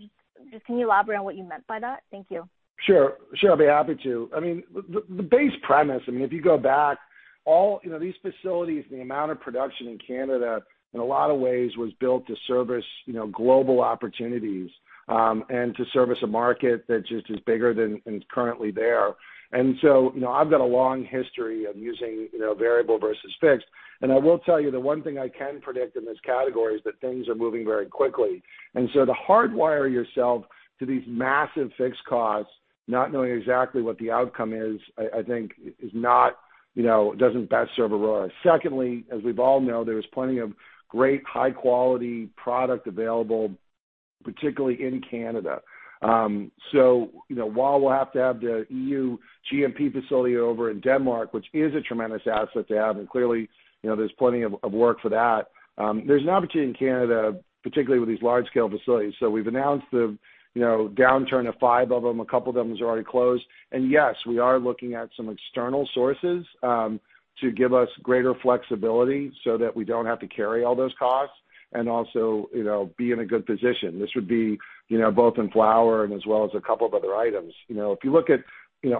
Just can you elaborate on what you meant by that? Thank you. Sure. Sure. I'll be happy to. I mean, the base premise, I mean, if you go back, all these facilities and the amount of production in Canada, in a lot of ways, was built to service global opportunities and to service a market that just is bigger than and is currently there. And so I've got a long history of using variable versus fixed. And I will tell you, the one thing I can predict in this category is that things are moving very quickly. And so to hardwire yourself to these massive fixed costs, not knowing exactly what the outcome is, I think, doesn't best serve Aurora. Secondly, as we've all known, there is plenty of great high-quality product available, particularly in Canada. So while we'll have to have the EU GMP facility over in Denmark, which is a tremendous asset to have, and clearly, there's plenty of work for that, there's an opportunity in Canada, particularly with these large-scale facilities. So we've announced the shutdown of five of them. A couple of them are already closed. And yes, we are looking at some external sources to give us greater flexibility so that we don't have to carry all those costs and also be in a good position. This would be both in flower and as well as a couple of other items. If you look at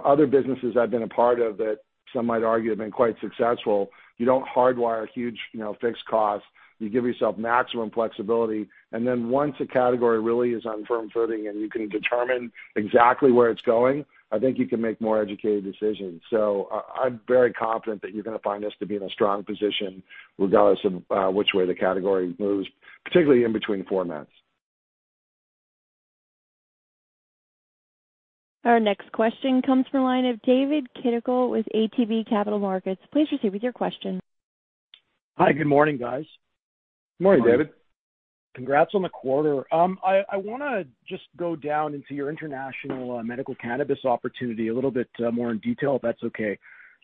other businesses I've been a part of that some might argue have been quite successful, you don't hardwire huge fixed costs. You give yourself maximum flexibility. And then once a category really is on firm footing and you can determine exactly where it's going, I think you can make more educated decisions. So I'm very confident that you're going to find us to be in a strong position regardless of which way the category moves, particularly in between four months. Our next question comes from a line of David Kideckel with ATB Capital Markets. Please proceed with your question. Hi. Good morning, guys. Good morning, David. Congrats on the quarter. I want to just go down into your international medical cannabis opportunity a little bit more in detail if that's okay.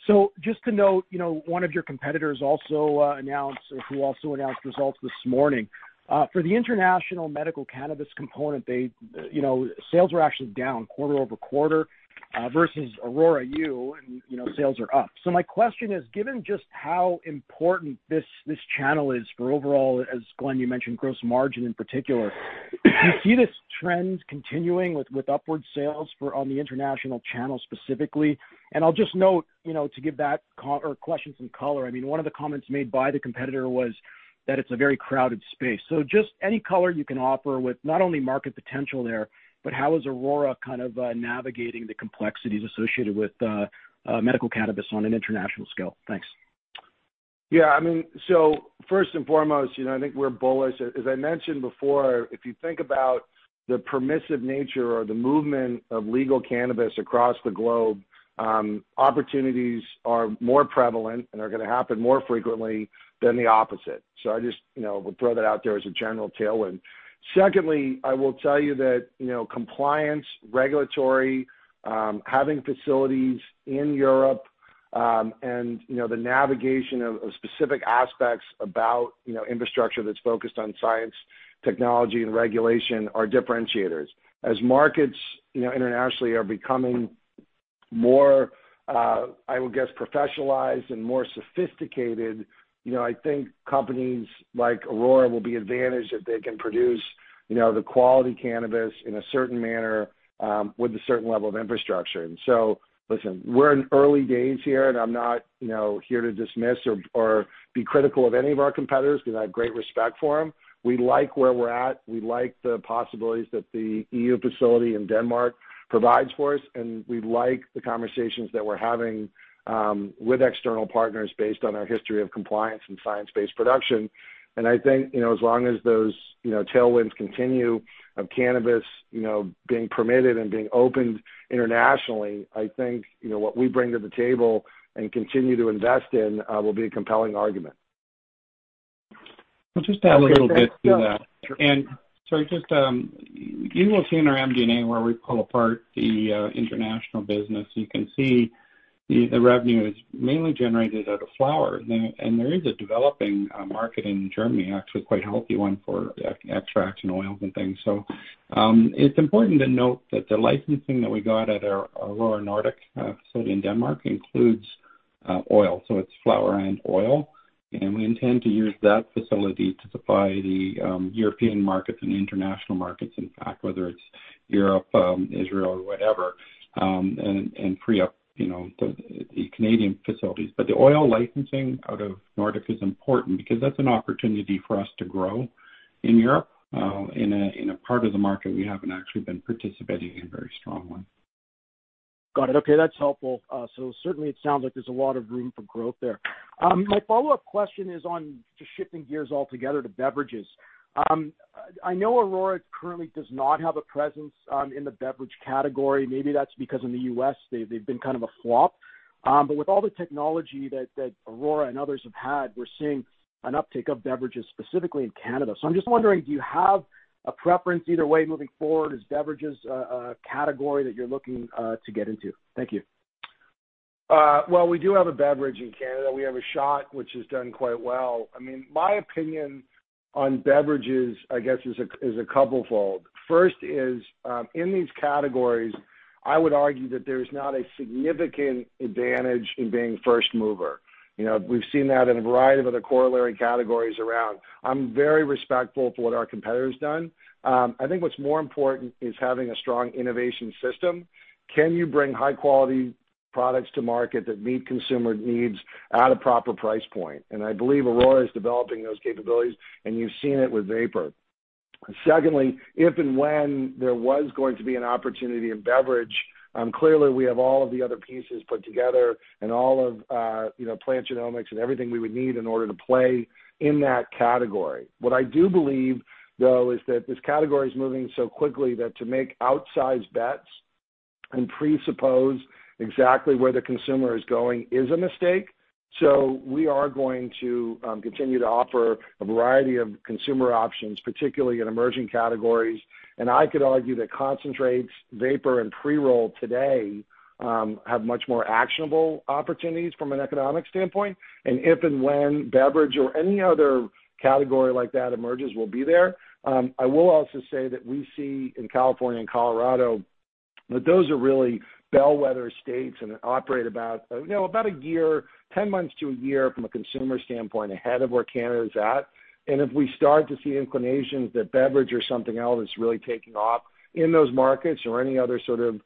So just to note, one of your competitors also announced results this morning. For the international medical cannabis component, sales were actually down quarter over quarter versus Aurora, and sales are up. So my question is, given just how important this channel is for overall, as Glen, you mentioned, gross margin in particular, do you see this trend continuing with upward sales on the international channel specifically? And I'll just note to give that question some color. I mean, one of the comments made by the competitor was that it's a very crowded space. So just any color you can offer with not only market potential there, but how is Aurora kind of navigating the complexities associated with medical cannabis on an international scale? Thanks. Yeah. I mean, so first and foremost, I think we're bullish. As I mentioned before, if you think about the permissive nature or the movement of legal cannabis across the globe, opportunities are more prevalent and are going to happen more frequently than the opposite. So I just will throw that out there as a general tailwind. Secondly, I will tell you that compliance, regulatory, having facilities in Europe, and the navigation of specific aspects about infrastructure that's focused on science, technology, and regulation are differentiators. As markets internationally are becoming more, I would guess, professionalized and more sophisticated, I think companies like Aurora will be advantaged if they can produce the quality cannabis in a certain manner with a certain level of infrastructure. And so listen, we're in early days here, and I'm not here to dismiss or be critical of any of our competitors because I have great respect for them. We like where we're at. We like the possibilities that the EU facility in Denmark provides for us, and we like the conversations that we're having with external partners based on our history of compliance and science-based production. I think as long as those tailwinds continue of cannabis being permitted and being opened internationally, I think what we bring to the table and continue to invest in will be a compelling argument. I'll just add a little bit to that. Sorry, just you will see in our MD&A where we pull apart the international business, you can see the revenue is mainly generated out of flower. There is a developing market in Germany, actually quite a healthy one for extracts and oils and things. It's important to note that the licensing that we got at our Aurora Nordic facility in Denmark includes oil. It's flower and oil. And we intend to use that facility to supply the European markets and international markets, in fact, whether it's Europe, Israel, or whatever, and free up the Canadian facilities. But the oil licensing out of Nordic is important because that's an opportunity for us to grow in Europe. In a part of the market, we haven't actually been participating in very strongly. Got it. Okay. That's helpful. So certainly, it sounds like there's a lot of room for growth there. My follow-up question is on just shifting gears altogether to beverages. I know Aurora currently does not have a presence in the beverage category. Maybe that's because in the U.S., they've been kind of a flop. But with all the technology that Aurora and others have had, we're seeing an uptake of beverages specifically in Canada. So I'm just wondering, do you have a preference either way moving forward as beverages a category that you're looking to get into? Thank you. Well, we do have a beverage in Canada. We have a shot, which has done quite well. I mean, my opinion on beverages, I guess, is a couple-fold. First is, in these categories, I would argue that there is not a significant advantage in being first mover. We've seen that in a variety of other corollary categories around. I'm very respectful for what our competitor has done. I think what's more important is having a strong innovation system. Can you bring high-quality products to market that meet consumer needs at a proper price point? And I believe Aurora is developing those capabilities, and you've seen it with vapor. Secondly, if and when there was going to be an opportunity in beverage, clearly, we have all of the other pieces put together and all of plant genomics and everything we would need in order to play in that category. What I do believe, though, is that this category is moving so quickly that to make outsized bets and presuppose exactly where the consumer is going is a mistake. We are going to continue to offer a variety of consumer options, particularly in emerging categories. I could argue that concentrates, vapor, and pre-roll today have much more actionable opportunities from an economic standpoint. If and when beverage or any other category like that emerges, we will be there. I will also say that we see in California and Colorado that those are really bellwether states and operate about a year, 10 months to a year from a consumer standpoint ahead of where Canada is at. And if we start to see inclinations that beverage or something else is really taking off in those markets or any other sort of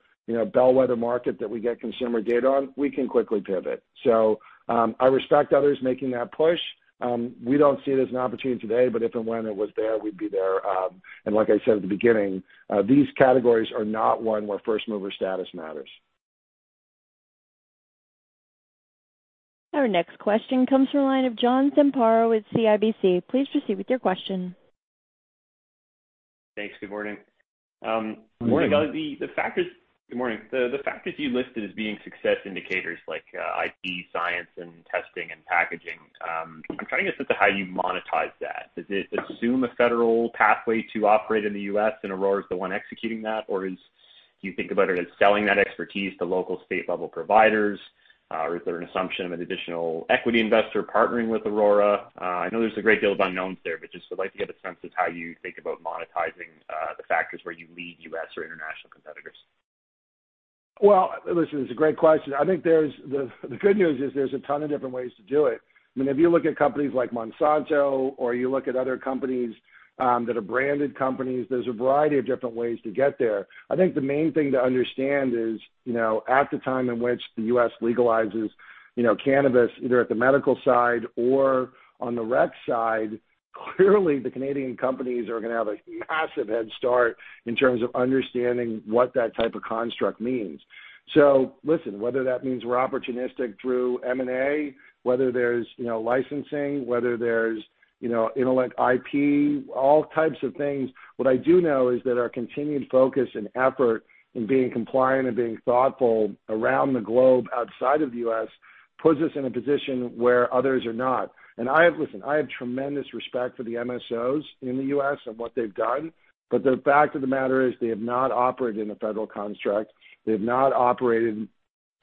bellwether market that we get consumer data on, we can quickly pivot. So I respect others making that push. We don't see it as an opportunity today, but if and when it was there, we'd be there. And like I said at the beginning, these categories are not one where first mover status matters. Our next question comes from a line of John Zamparo with CIBC. Please proceed with your question. Thanks. Good morning. Good morning. Good morning. The factors you listed as being success indicators like IP, science, and testing and packaging. I'm trying to get a sense of how you monetize that. Does it assume a federal pathway to operate in the U.S., and Aurora is the one executing that? Or do you think about it as selling that expertise to local state-level providers? Or is there an assumption of an additional equity investor partnering with Aurora? I know there's a great deal of unknowns there, but just would like to get a sense of how you think about monetizing the factors where you lead U.S. or international competitors. Well, listen, it's a great question. I think the good news is there's a ton of different ways to do it. I mean, if you look at companies like Monsanto or you look at other companies that are branded companies, there's a variety of different ways to get there. I think the main thing to understand is at the time in which the U.S. legalizes cannabis, either at the medical side or on the rec side, clearly, the Canadian companies are going to have a massive head start in terms of understanding what that type of construct means. So listen, whether that means we're opportunistic through M&A, whether there's licensing, whether there's intellectual IP, all types of things, what I do know is that our continued focus and effort in being compliant and being thoughtful around the globe outside of the U.S. puts us in a position where others are not. And listen, I have tremendous respect for the MSOs in the U.S. and what they've done. But the fact of the matter is they have not operated in a federal construct. They have not operated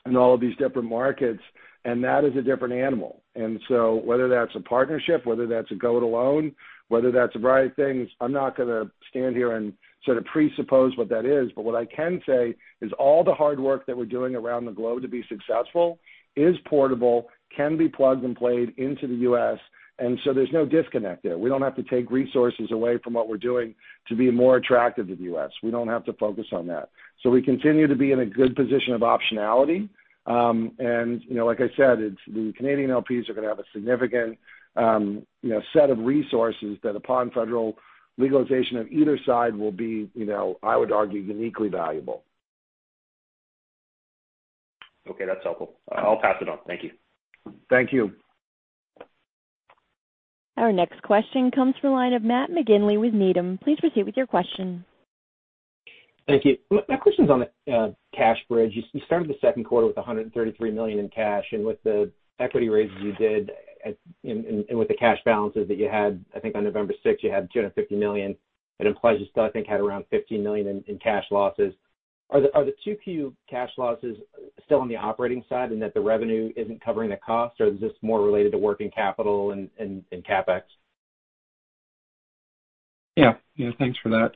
in all of these different markets, and that is a different animal. And so whether that's a partnership, whether that's a go-it-alone, whether that's a variety of things, I'm not going to stand here and sort of presuppose what that is. But what I can say is all the hard work that we're doing around the globe to be successful is portable, can be plugged and played into the U.S. And so there's no disconnect there. We don't have to take resources away from what we're doing to be more attractive to the U.S. We don't have to focus on that. So we continue to be in a good position of optionality. And like I said, the Canadian LPs are going to have a significant set of resources that, upon federal legalization of either side, will be, I would argue, uniquely valuable. Okay. That's helpful. I'll pass it on. Thank you. Thank you. Our next question comes from a line of Matt McGinley with Needham. Please proceed with your question. Thank you. My question is on the cash bridge. You started the second quarter with 133 million in cash. And with the equity raises you did and with the cash balances that you had, I think on November 6th, you had 250 million. It implies you still, I think, had around 15 million in cash losses. Are the Q2 cash losses still on the operating side in that the revenue isn't covering the cost? Or is this more related to working capital and CapEx? Yeah. Yeah. Thanks for that.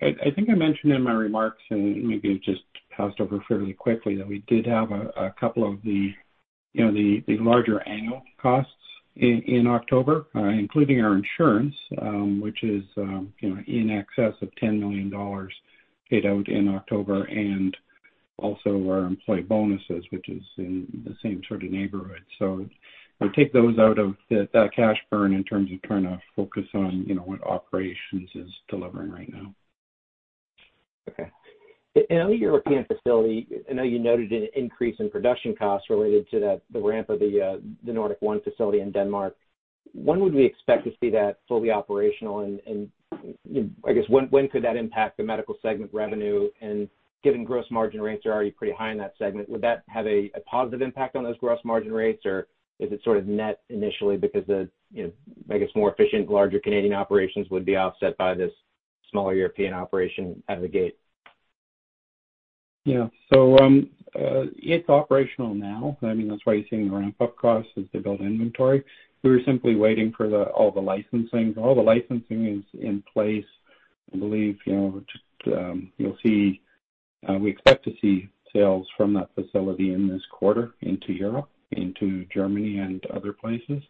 I think I mentioned in my remarks, and maybe I've just passed over fairly quickly, that we did have a couple of the larger annual costs in October, including our insurance, which is in excess of 10 million dollars paid out in October and also our employee bonuses, which is in the same sort of neighborhood. So I would take those out of that cash burn in terms of trying to focus on what operations is delivering right now. Okay. In any European facility, I know you noted an increase in production costs related to the ramp of the Aurora Nordic facility in Denmark. When would we expect to see that fully operational? And I guess, when could that impact the medical segment revenue? And given gross margin rates are already pretty high in that segment, would that have a positive impact on those gross margin rates? Or is it sort of net initially because, I guess, more efficient, larger Canadian operations would be offset by this smaller European operation out of the gate? Yeah. So it's operational now. I mean, that's why you're seeing the ramp-up costs as they build inventory. We were simply waiting for all the licensing. All the licensing is in place. I believe you'll see we expect to see sales from that facility in this quarter into Europe, into Germany, and other places.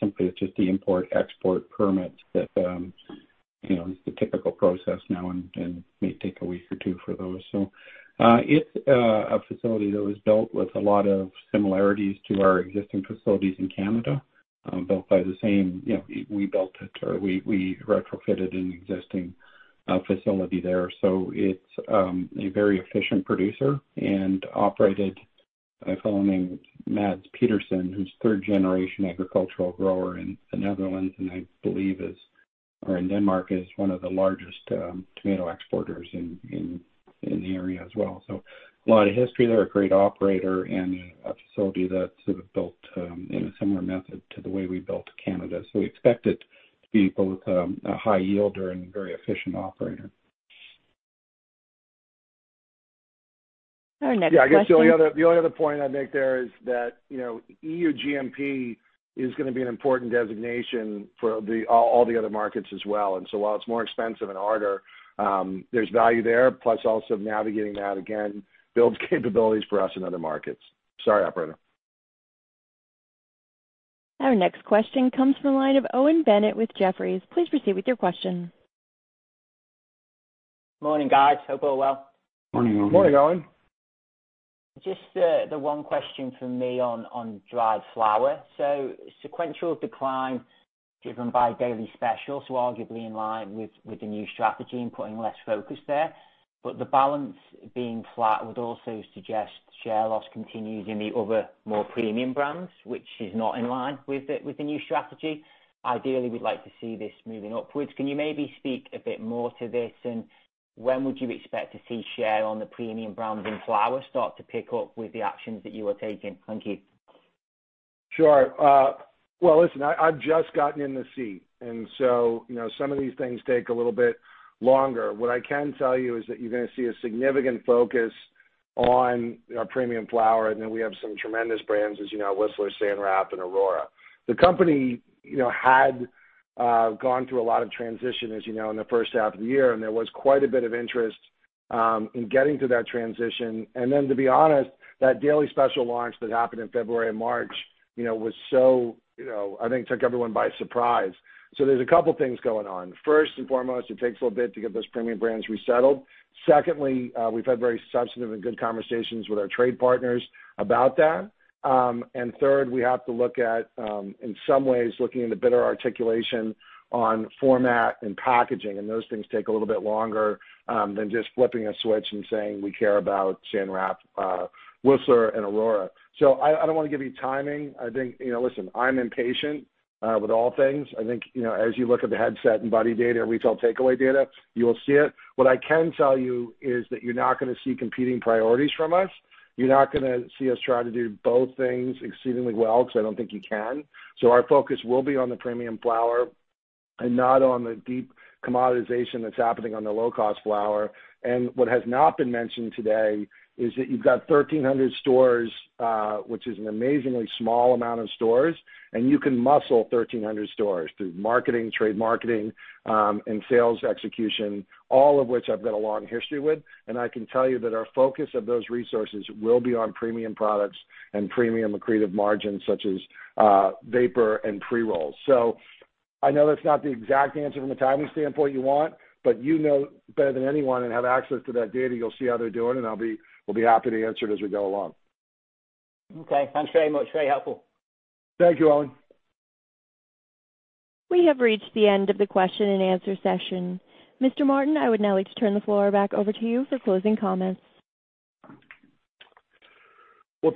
Simply, it's just the import-export permits that is the typical process now and may take a week or two for those. So it's a facility that was built with a lot of similarities to our existing facilities in Canada, built by the same we built it or we retrofitted an existing facility there. It's a very efficient producer operated by a fellow named Mads Pedersen, who's third-generation agricultural grower in the Netherlands and I believe is or in Denmark is one of the largest tomato exporters in the area as well. So a lot of history there, a great operator, and a facility that's sort of built in a similar method to the way we built Canada. So we expect it to be both a high-yielder and very efficient operator. Yeah. I guess the only other point I'd make there is that EU GMP is going to be an important designation for all the other markets as well. And so while it's more expensive and harder, there's value there. Plus also navigating that, again, builds capabilities for us in other markets. Sorry, operator. Our next question comes from a line of Owen Bennett with Jefferies. Please proceed with your question. Morning, guys. Hope all well. Morning, Owen. Morning, Owen. Just the one question for me on dried flower. So sequential decline driven by Daily Special, so arguably in line with the new strategy and putting less focus there. But the balance being flat would also suggest share loss continues in the other more premium brands, which is not in line with the new strategy. Ideally, we'd like to see this moving upwards. Can you maybe speak a bit more to this? And when would you expect to see share on the premium brands in flower start to pick up with the actions that you are taking? Thank you. Sure. Well, listen, I've just gotten into the seat. And so some of these things take a little bit longer. What I can tell you is that you're going to see a significant focus on our premium flower. And then we have some tremendous brands, as you know, Whistler, San Raf, and Aurora. The company had gone through a lot of transition, as you know, in the first half of the year. And there was quite a bit of interest in getting to that transition. And then, to be honest, that Daily Special launch that happened in February and March was so, I think, took everyone by surprise. So there's a couple of things going on. First and foremost, it takes a little bit to get those premium brands resettled. Secondly, we've had very substantive and good conversations with our trade partners about that. And third, we have to look at, in some ways, looking at the better articulation on format and packaging. Those things take a little bit longer than just flipping a switch and saying, "We care about San Raf, Whistler, and Aurora." So I don't want to give you timing. I think, listen, I'm impatient with all things. I think as you look at the Headset and buddy data and retail takeaway data, you will see it. What I can tell you is that you're not going to see competing priorities from us. You're not going to see us try to do both things exceedingly well because I don't think you can. So our focus will be on the premium flower and not on the deep commoditization that's happening on the low-cost flower. What has not been mentioned today is that you've got 1,300 stores, which is an amazingly small amount of stores. You can muscle 1,300 stores through marketing, trade marketing, and sales execution, all of which I've got a long history with. I can tell you that our focus of those resources will be on premium products and premium accretive margins such as vapor and pre-rolls. I know that's not the exact answer from a timing standpoint you want, but you know better than anyone and have access to that data. You'll see how they're doing. I'll be happy to answer it as we go along. Okay. Thanks very much. Very helpful. Thank you, Owen. We have reached the end of the question-and-answer session. Mr. Martin, I would now like to turn the floor back over to you for closing comments.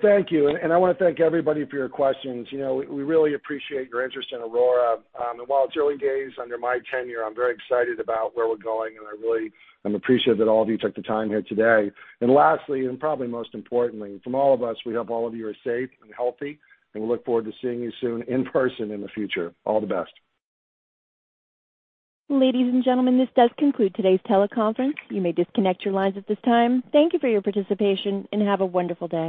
Thank you. I want to thank everybody for your questions. We really appreciate your interest in Aurora. And while it's early days under my tenure, I'm very excited about where we're going. And I really appreciate that all of you took the time here today. And lastly, and probably most importantly, from all of us, we hope all of you are safe and healthy. And we look forward to seeing you soon in person in the future. All the best. Ladies and gentlemen, this does conclude today's teleconference. You may disconnect your lines at this time. Thank you for your participation and have a wonderful day.